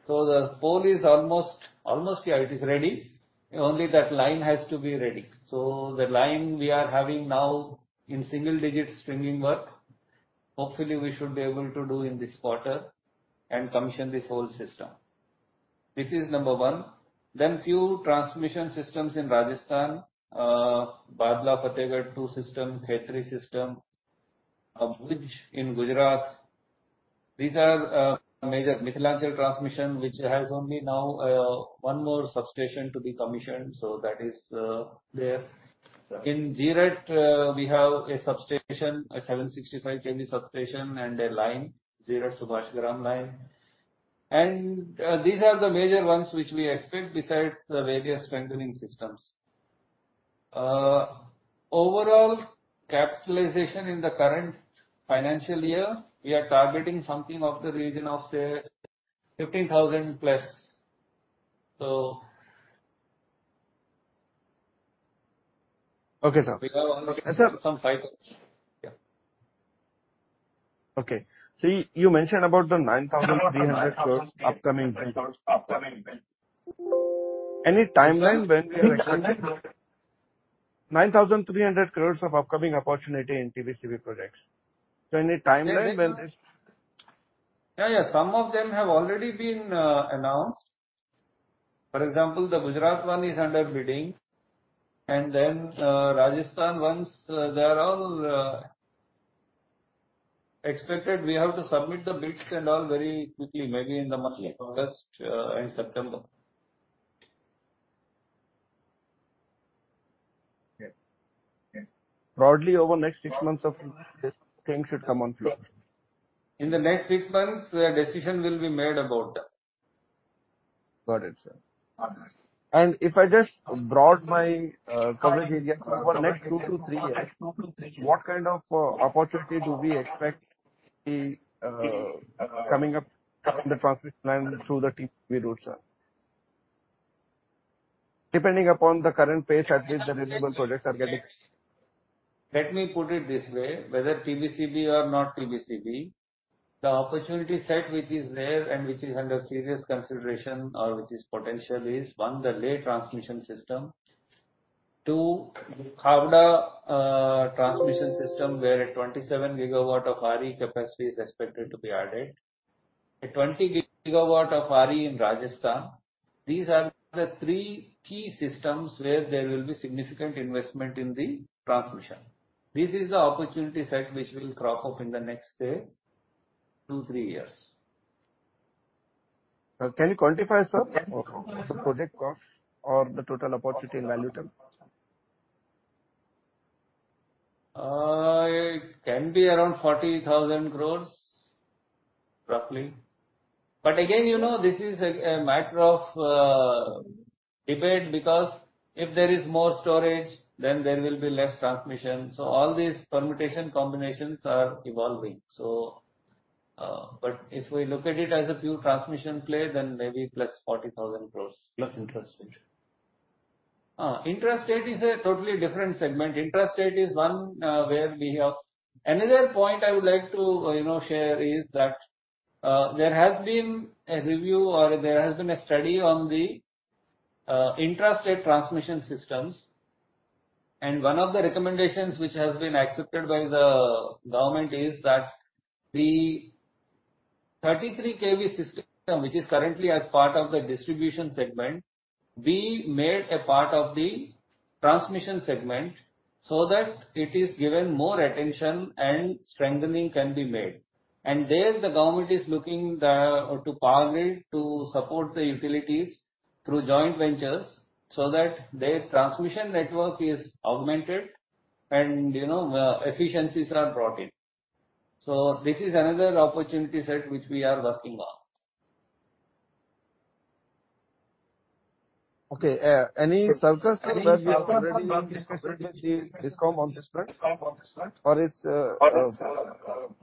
B: The pole is almost ready. Only that line has to be ready. The line we are having now in single-digit stringing work, hopefully we should be able to do in this quarter and commission this whole system. This is number one. Few transmission systems in Rajasthan, Bhadla-Fatehgarh II system, Khetri system, Bhuj in Gujarat. These are major Mithilanchal transmission, which has only now one more substation to be commissioned. That is there. In Jeerat, we have a substation, a 765 kV substation, and a line, Jeerat-Subhasgram line. These are the major ones which we expect besides the various strengthening systems. Overall CapEx in the current financial year, we are targeting something of the region of, say, 15,000+.
P: Okay, sir.
B: We have allocated some finances. Yeah.
P: Okay. 9,300 crores of upcoming opportunity in TBCB projects, any timeline when this?
B: Yeah. Some of them have already been announced. For example, the Gujarat one is under bidding. Rajasthan ones, they are all expected, we have to submit the bids and all very quickly, maybe in the month of August and September.
P: Yeah. Broadly over next six months of this, things should come on flow.
B: In the next six months, the decision will be made about that.
P: Got it, sir.
B: All right.
P: If I just broad my coverage area for next two to three years, what kind of opportunity do we expect coming up from the transmission plan through the TBCB routes, sir? Depending upon the current pace at which the renewable projects are getting.
B: Let me put it this way. Whether TBCB or not TBCB, the opportunity set which is there and which is under serious consideration or which is potential is, one, the Leh transmission system. Two, the Khawda transmission system, where a 27 GW of RE capacity is expected to be added. A 20 GW of RE in Rajasthan. These are the three key systems where there will be significant investment in the transmission. This is the opportunity set which will crop up in the next, say, two, three years.
P: Can you quantify it, sir? The project cost or the total opportunity in value terms.
B: It can be around 40,000 crores, roughly. Again, this is a matter of debate because if there is more storage, then there will be less transmission. All these permutation combinations are evolving. If we look at it as a pure transmission play, then maybe plus 40,000 crores.
P: Intra-state.
B: Intrastate is a totally different segment. Another point I would like to share is that there has been a review or there has been a study on the intrastate transmission systems and one of the recommendations which has been accepted by the government is that the 33 kV system, which is currently as part of the distribution segment, be made a part of the transmission segment so that it is given more attention and strengthening can be made. There the government is looking to Power Grid to support the utilities through joint ventures so that their transmission network is augmented and efficiencies are brought in. This is another opportunity set which we are working on.
P: Okay. Any circles where you have already discussed with the DISCOM on this front or it's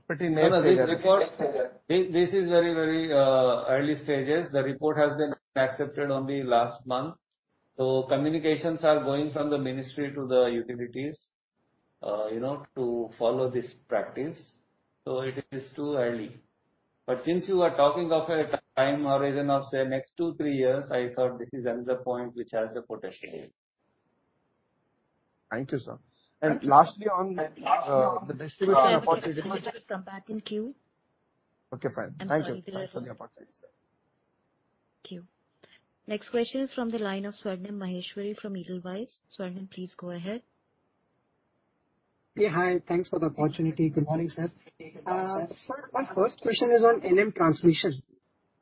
P: pretty near there?
B: This is very early stages. The report has been accepted only last month. Communications are going from the ministry to the utilities, to follow this practice. It is too early. Since you are talking of a time horizon of, say, next two, three years, I thought this is another point which has the potential.
P: Thank you, sir. Lastly on the distribution opportunity.
C: Come back in queue.
P: Okay, fine. Thank you.
C: I'm sorry for the interruption. Thank you. Next question is from the line of Swarnim Maheshwari from Edelweiss. Swarnim, please go ahead.
Q: Yeah, hi. Thanks for the opportunity. Good morning, sir. Sir, my first question is on NM transmission.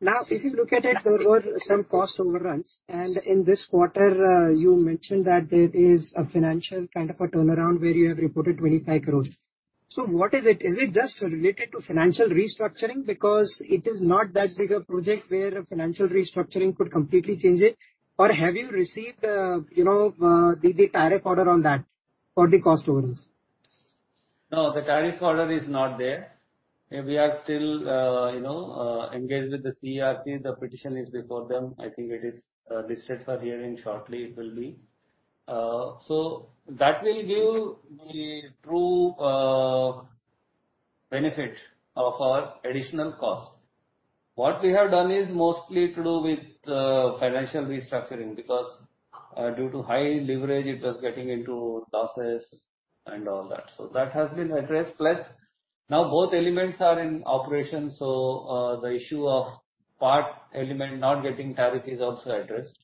Q: If you look at it, there were some cost overruns, and in this quarter, you mentioned that there is a financial kind of a turnaround where you have reported 25 crores. What is it? Is it just related to financial restructuring? It is not that big a project where financial restructuring could completely change it. Have you received the tariff order on that for the cost overruns?
B: No, the tariff order is not there. We are still engaged with the CERC. The petition is before them. I think it is listed for hearing shortly, it will be. That will give the true benefit of our additional cost. What we have done is mostly to do with financial restructuring, because due to high leverage, it was getting into losses and all that. That has been addressed. Now both elements are in operation, the issue of part element not getting tariff is also addressed.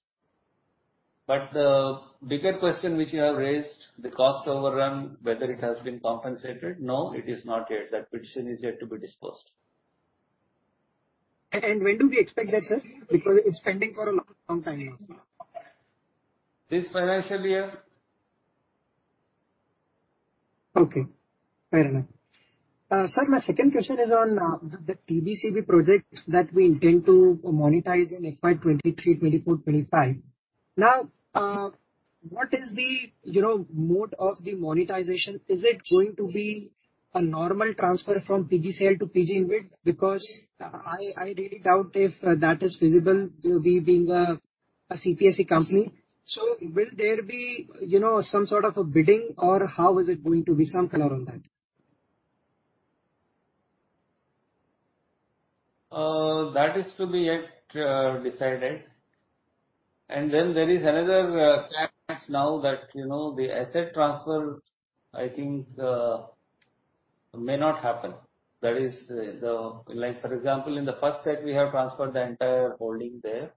B: The bigger question which you have raised, the cost overrun, whether it has been compensated, no, it is not yet. That petition is yet to be disposed.
Q: When do we expect that, sir? Because it's pending for a long time now.
B: This financial year.
Q: Okay. Fair enough. Sir, my second question is on the TBCB projects that we intend to monetize in FY 2023, 2024, 2025. What is the mode of the monetization? Is it going to be a normal transfer from PGCIL to PG InvIT? Because I really doubt if that is feasible, we being a CPSE company. Will there be some sort of a bidding or how is it going to be? Some color on that.
B: That is to be yet decided. There is another catch now that the asset transfer, I think, may not happen. For example, in the first set, we have transferred the entire holding there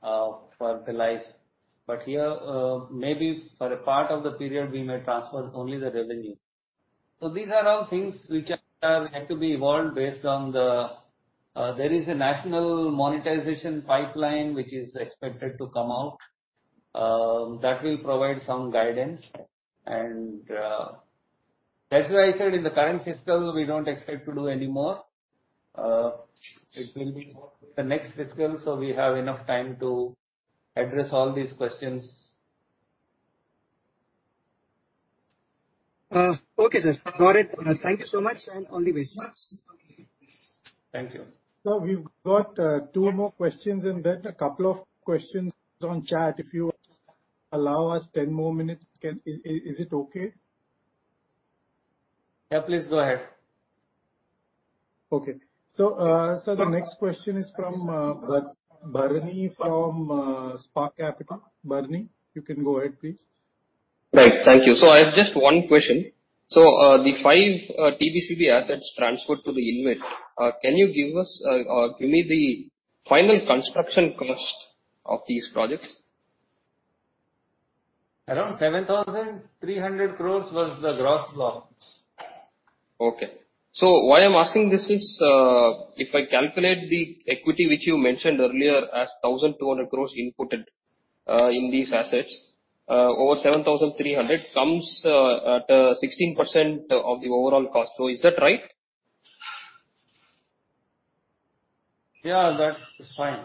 B: for the life. Here, maybe for a part of the period, we may transfer only the revenue. These are all things which have had to be evolved based on the National Monetisation Pipeline which is expected to come out. That will provide some guidance. That's why I said in the current fiscal, we don't expect to do any more. It will be the next fiscal, we have enough time to address all these questions.
Q: Okay, sir. No, thank you so much. All the best.
B: Thank you.
A: Sir, we've got two more questions and then a couple of questions on chat, if you allow us 10 more minutes. Is it okay?
B: Yeah, please go ahead.
A: Okay. The next question is from Bharani from Spark Capital. Bharani, you can go ahead please.
R: Right. Thank you. I have just one question. The fve TBCB assets transferred to the InvIT, can you give me the final construction cost of these projects?
B: Around 7,300 crores was the gross block.
R: Okay. Why I'm asking this is, if I calculate the equity, which you mentioned earlier as 1,200 crore inputted in these assets, over 7,300 comes at 16% of the overall cost. Is that right?
B: Yeah, that is fine.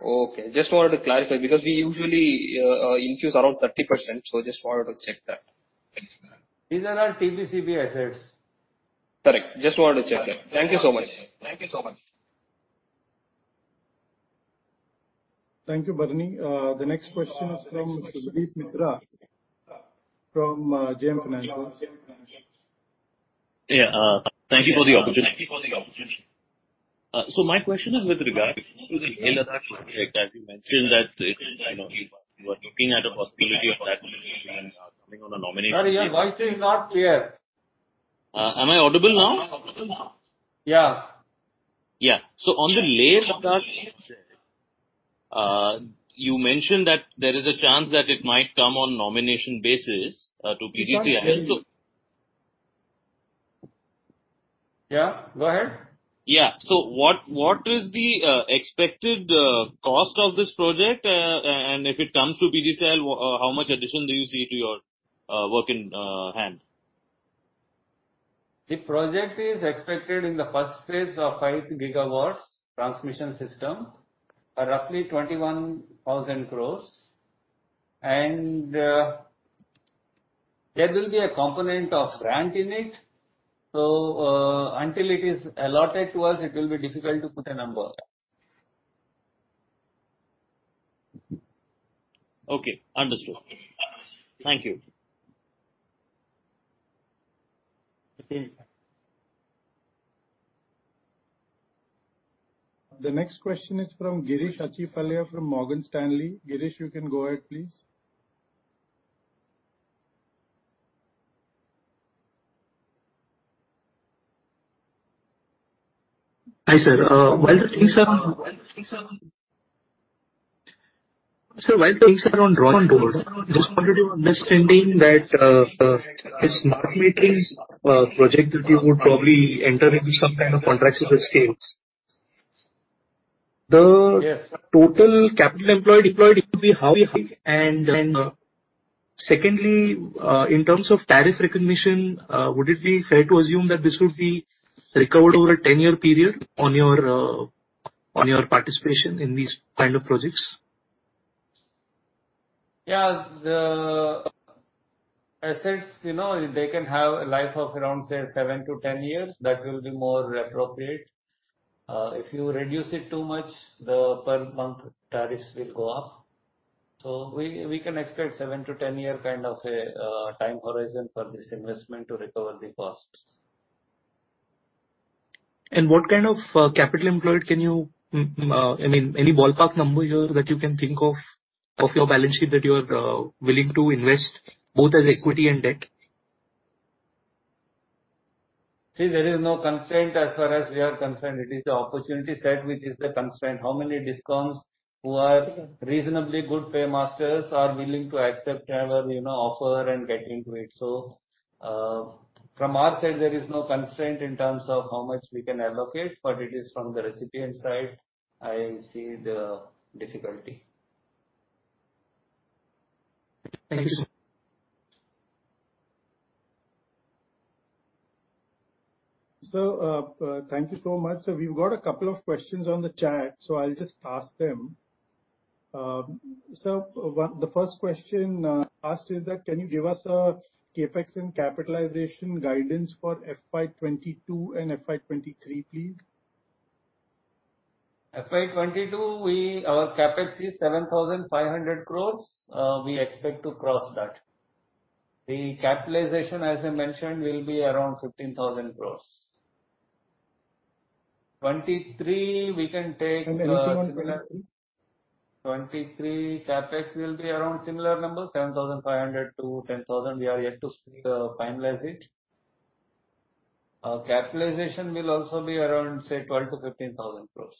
R: Okay. Just wanted to clarify, because we usually infuse around 30%, so just wanted to check that. Thank you.
B: These are our TBCB assets.
R: Correct. Just wanted to check that. Thank you so much.
A: Thank you, Bharani. The next question is from Subhadip Mitra from JM Financial.
S: Yeah. Thank you for the opportunity. My question is with regard to the Leh project. As you mentioned that you are looking at a possibility of that coming on a nomination.
B: Sorry, your voice is not clear.
S: Am I audible now?
B: Yeah.
S: Yeah. On the Leh project, you mentioned that there is a chance that it might come on nomination basis to PGCIL.
B: Yeah, go ahead.
S: What is the expected cost of this project? If it comes to PGCIL, how much addition do you see to your work in hand?
B: The project is expected in the first phase of 5 GW transmission system, roughly INR 21,000 crore. There will be a component of grant in it. Until it is allotted to us, it will be difficult to put a number.
S: Okay. Understood. Thank you.
A: The next question is from Girish Achhipalia from Morgan Stanley. Girish, you can go ahead, please.
T: Hi, sir. Sir, while things are on drawing board, just wanted to Understanding that this marketing project that you would probably enter into some kind of contracts with the states.
B: Yes.
T: Total capital employed it will be high. Secondly, in terms of tariff recognition, would it be fair to assume that this would be recovered over a 10-year period on your participation in these kind of projects?
B: The assets, they can have a life of around, say, 7-10 years. That will be more appropriate. If you reduce it too much, the per month tariffs will go up. We can expect 7-10 year kind of a time horizon for this investment to recover the costs.
T: What kind of capital employed can you, I mean, any ballpark number here that you can think of your balance sheet that you are willing to invest, both as equity and debt?
B: There is no constraint as far as we are concerned. It is the opportunity set, which is the constraint. How many DISCOMs who are reasonably good paymasters are willing to accept our offer and get into it. From our side, there is no constraint in terms of how much we can allocate, but it is from the recipient side, I see the difficulty.
T: Thank you, sir.
A: Sir, thank you so much. We’ve got a couple of questions on the chat, I’ll just ask them. Sir, the first question asked is that, can you give us a CapEx and capitalization guidance for FY 2022 and FY 2023, please?
B: FY 2022, our CapEx is 7,500 crore. We expect to cross that. The capitalization, as I mentioned, will be around 15,000 crore. FY 2023, we can take similar.
A: The FY 2023?
B: 2023 CapEx will be around similar numbers, 7,500-10,000. We are yet to finalize it. Our capitalization will also be around, say, 12,000 crore-15,000 crore.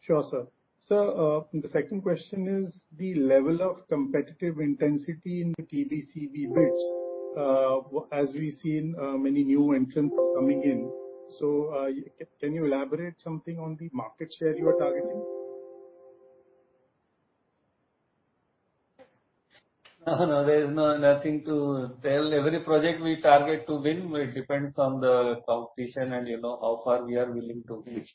A: Sure, sir. Sir, the second question is the level of competitive intensity in the TBCB bids as we seen many new entrants coming in. Can you elaborate something on the market share you are targeting?
B: No, there is nothing to tell. Every project we target to win, it depends on the competition and how far we are willing to reach.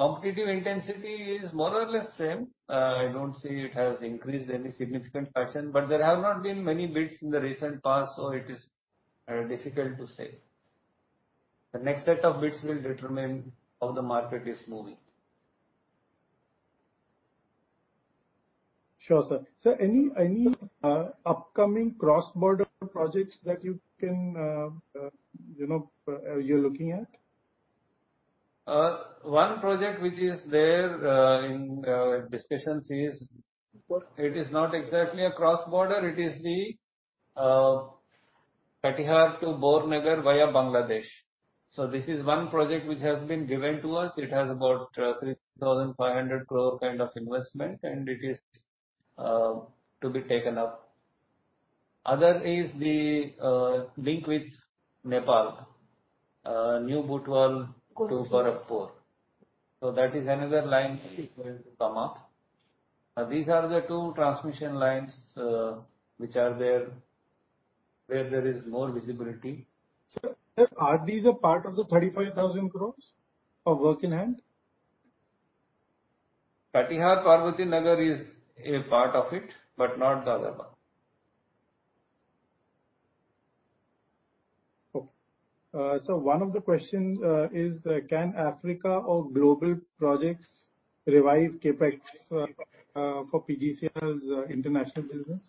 B: Competitive intensity is more or less same. I don't say it has increased any significant fashion, but there have not been many bids in the recent past, so it is difficult to say. The next set of bids will determine how the market is moving.
A: Sure, sir. Sir, any upcoming cross-border projects that you're looking at?
B: One project which is there in discussions is, it is not exactly a cross-border, it is the Katihar to Bornagar via Bangladesh. This is one project which has been given to us. It has about 3,500 crore kind of investment, and it is to be taken up. Other is the link with Nepal, New Butwal to Gorakhpur. That is another line is going to come up. These are the two transmission lines which are there, where there is more visibility.
A: Sir, are these a part of the 35,000 crores of work in hand?
B: Katihar-Parbotipur is a part of it, but not the other one.
A: Okay. Sir, one of the questions is, can Africa or global projects revive CapEx for PGCIL's international business?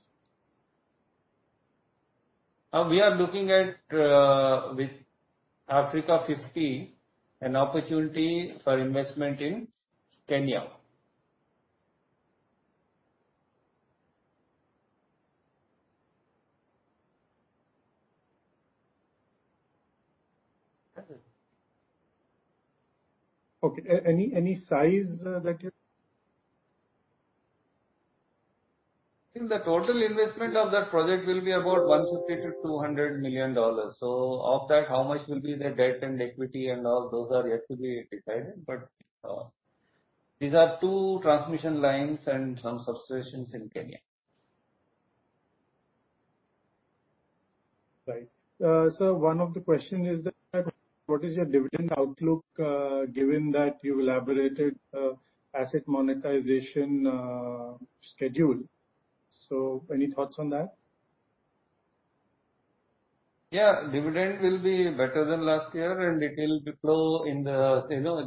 B: We are looking at, with Africa50, an opportunity for investment in Kenya.
A: Okay. Any size that you're-
B: I think the total investment of that project will be about $150 million-$200 million. Of that, how much will be the debt and equity and all, those are yet to be decided. These are two transmission lines and some substations in Kenya.
A: Right. Sir, one of the question is that, what is your dividend outlook, given that you elaborated asset monetization schedule? Any thoughts on that?
B: Yeah. Dividend will be better than last year.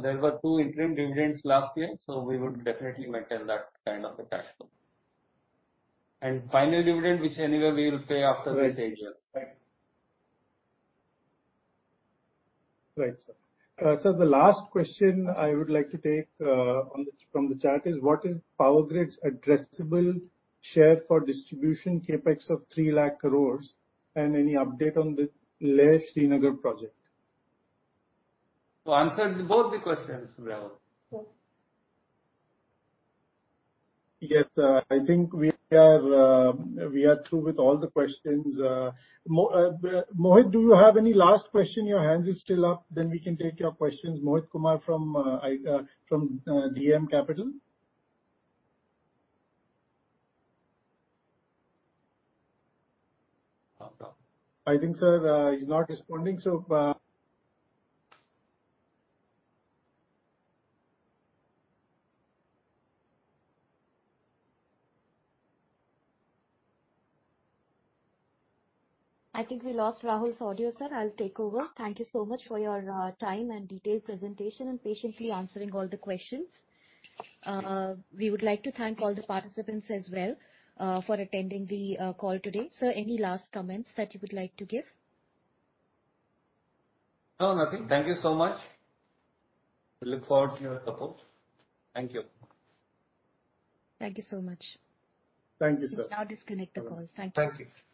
B: There were two interim dividends last year, so we would definitely maintain that kind of a cash flow. Final dividend, which anyway we'll pay after this
A: Right. Right. Right, sir. Sir, the last question I would like to take from the chat is, what is Power Grid's addressable share for distribution CapEx of 3 lakh crores, and any update on the Leh-Srinagar project?
B: To answer both the questions, Rahul.
A: Yes. I think we are through with all the questions. Mohit, do you have any last question? Your hand is still up, then we can take your questions. Mohit Kumar from DAM Capital.
D: Oh, no.
A: I think, sir, he's not responding.
C: I think we lost Rahul's audio, sir. I'll take over. Thank you so much for your time and detailed presentation, and patiently answering all the questions. We would like to thank all the participants as well, for attending the call today. Sir, any last comments that you would like to give?
B: No, nothing. Thank you so much. We look forward to your support. Thank you.
C: Thank you so much.
A: Thank you, sir. You can now disconnect the call. Thank you.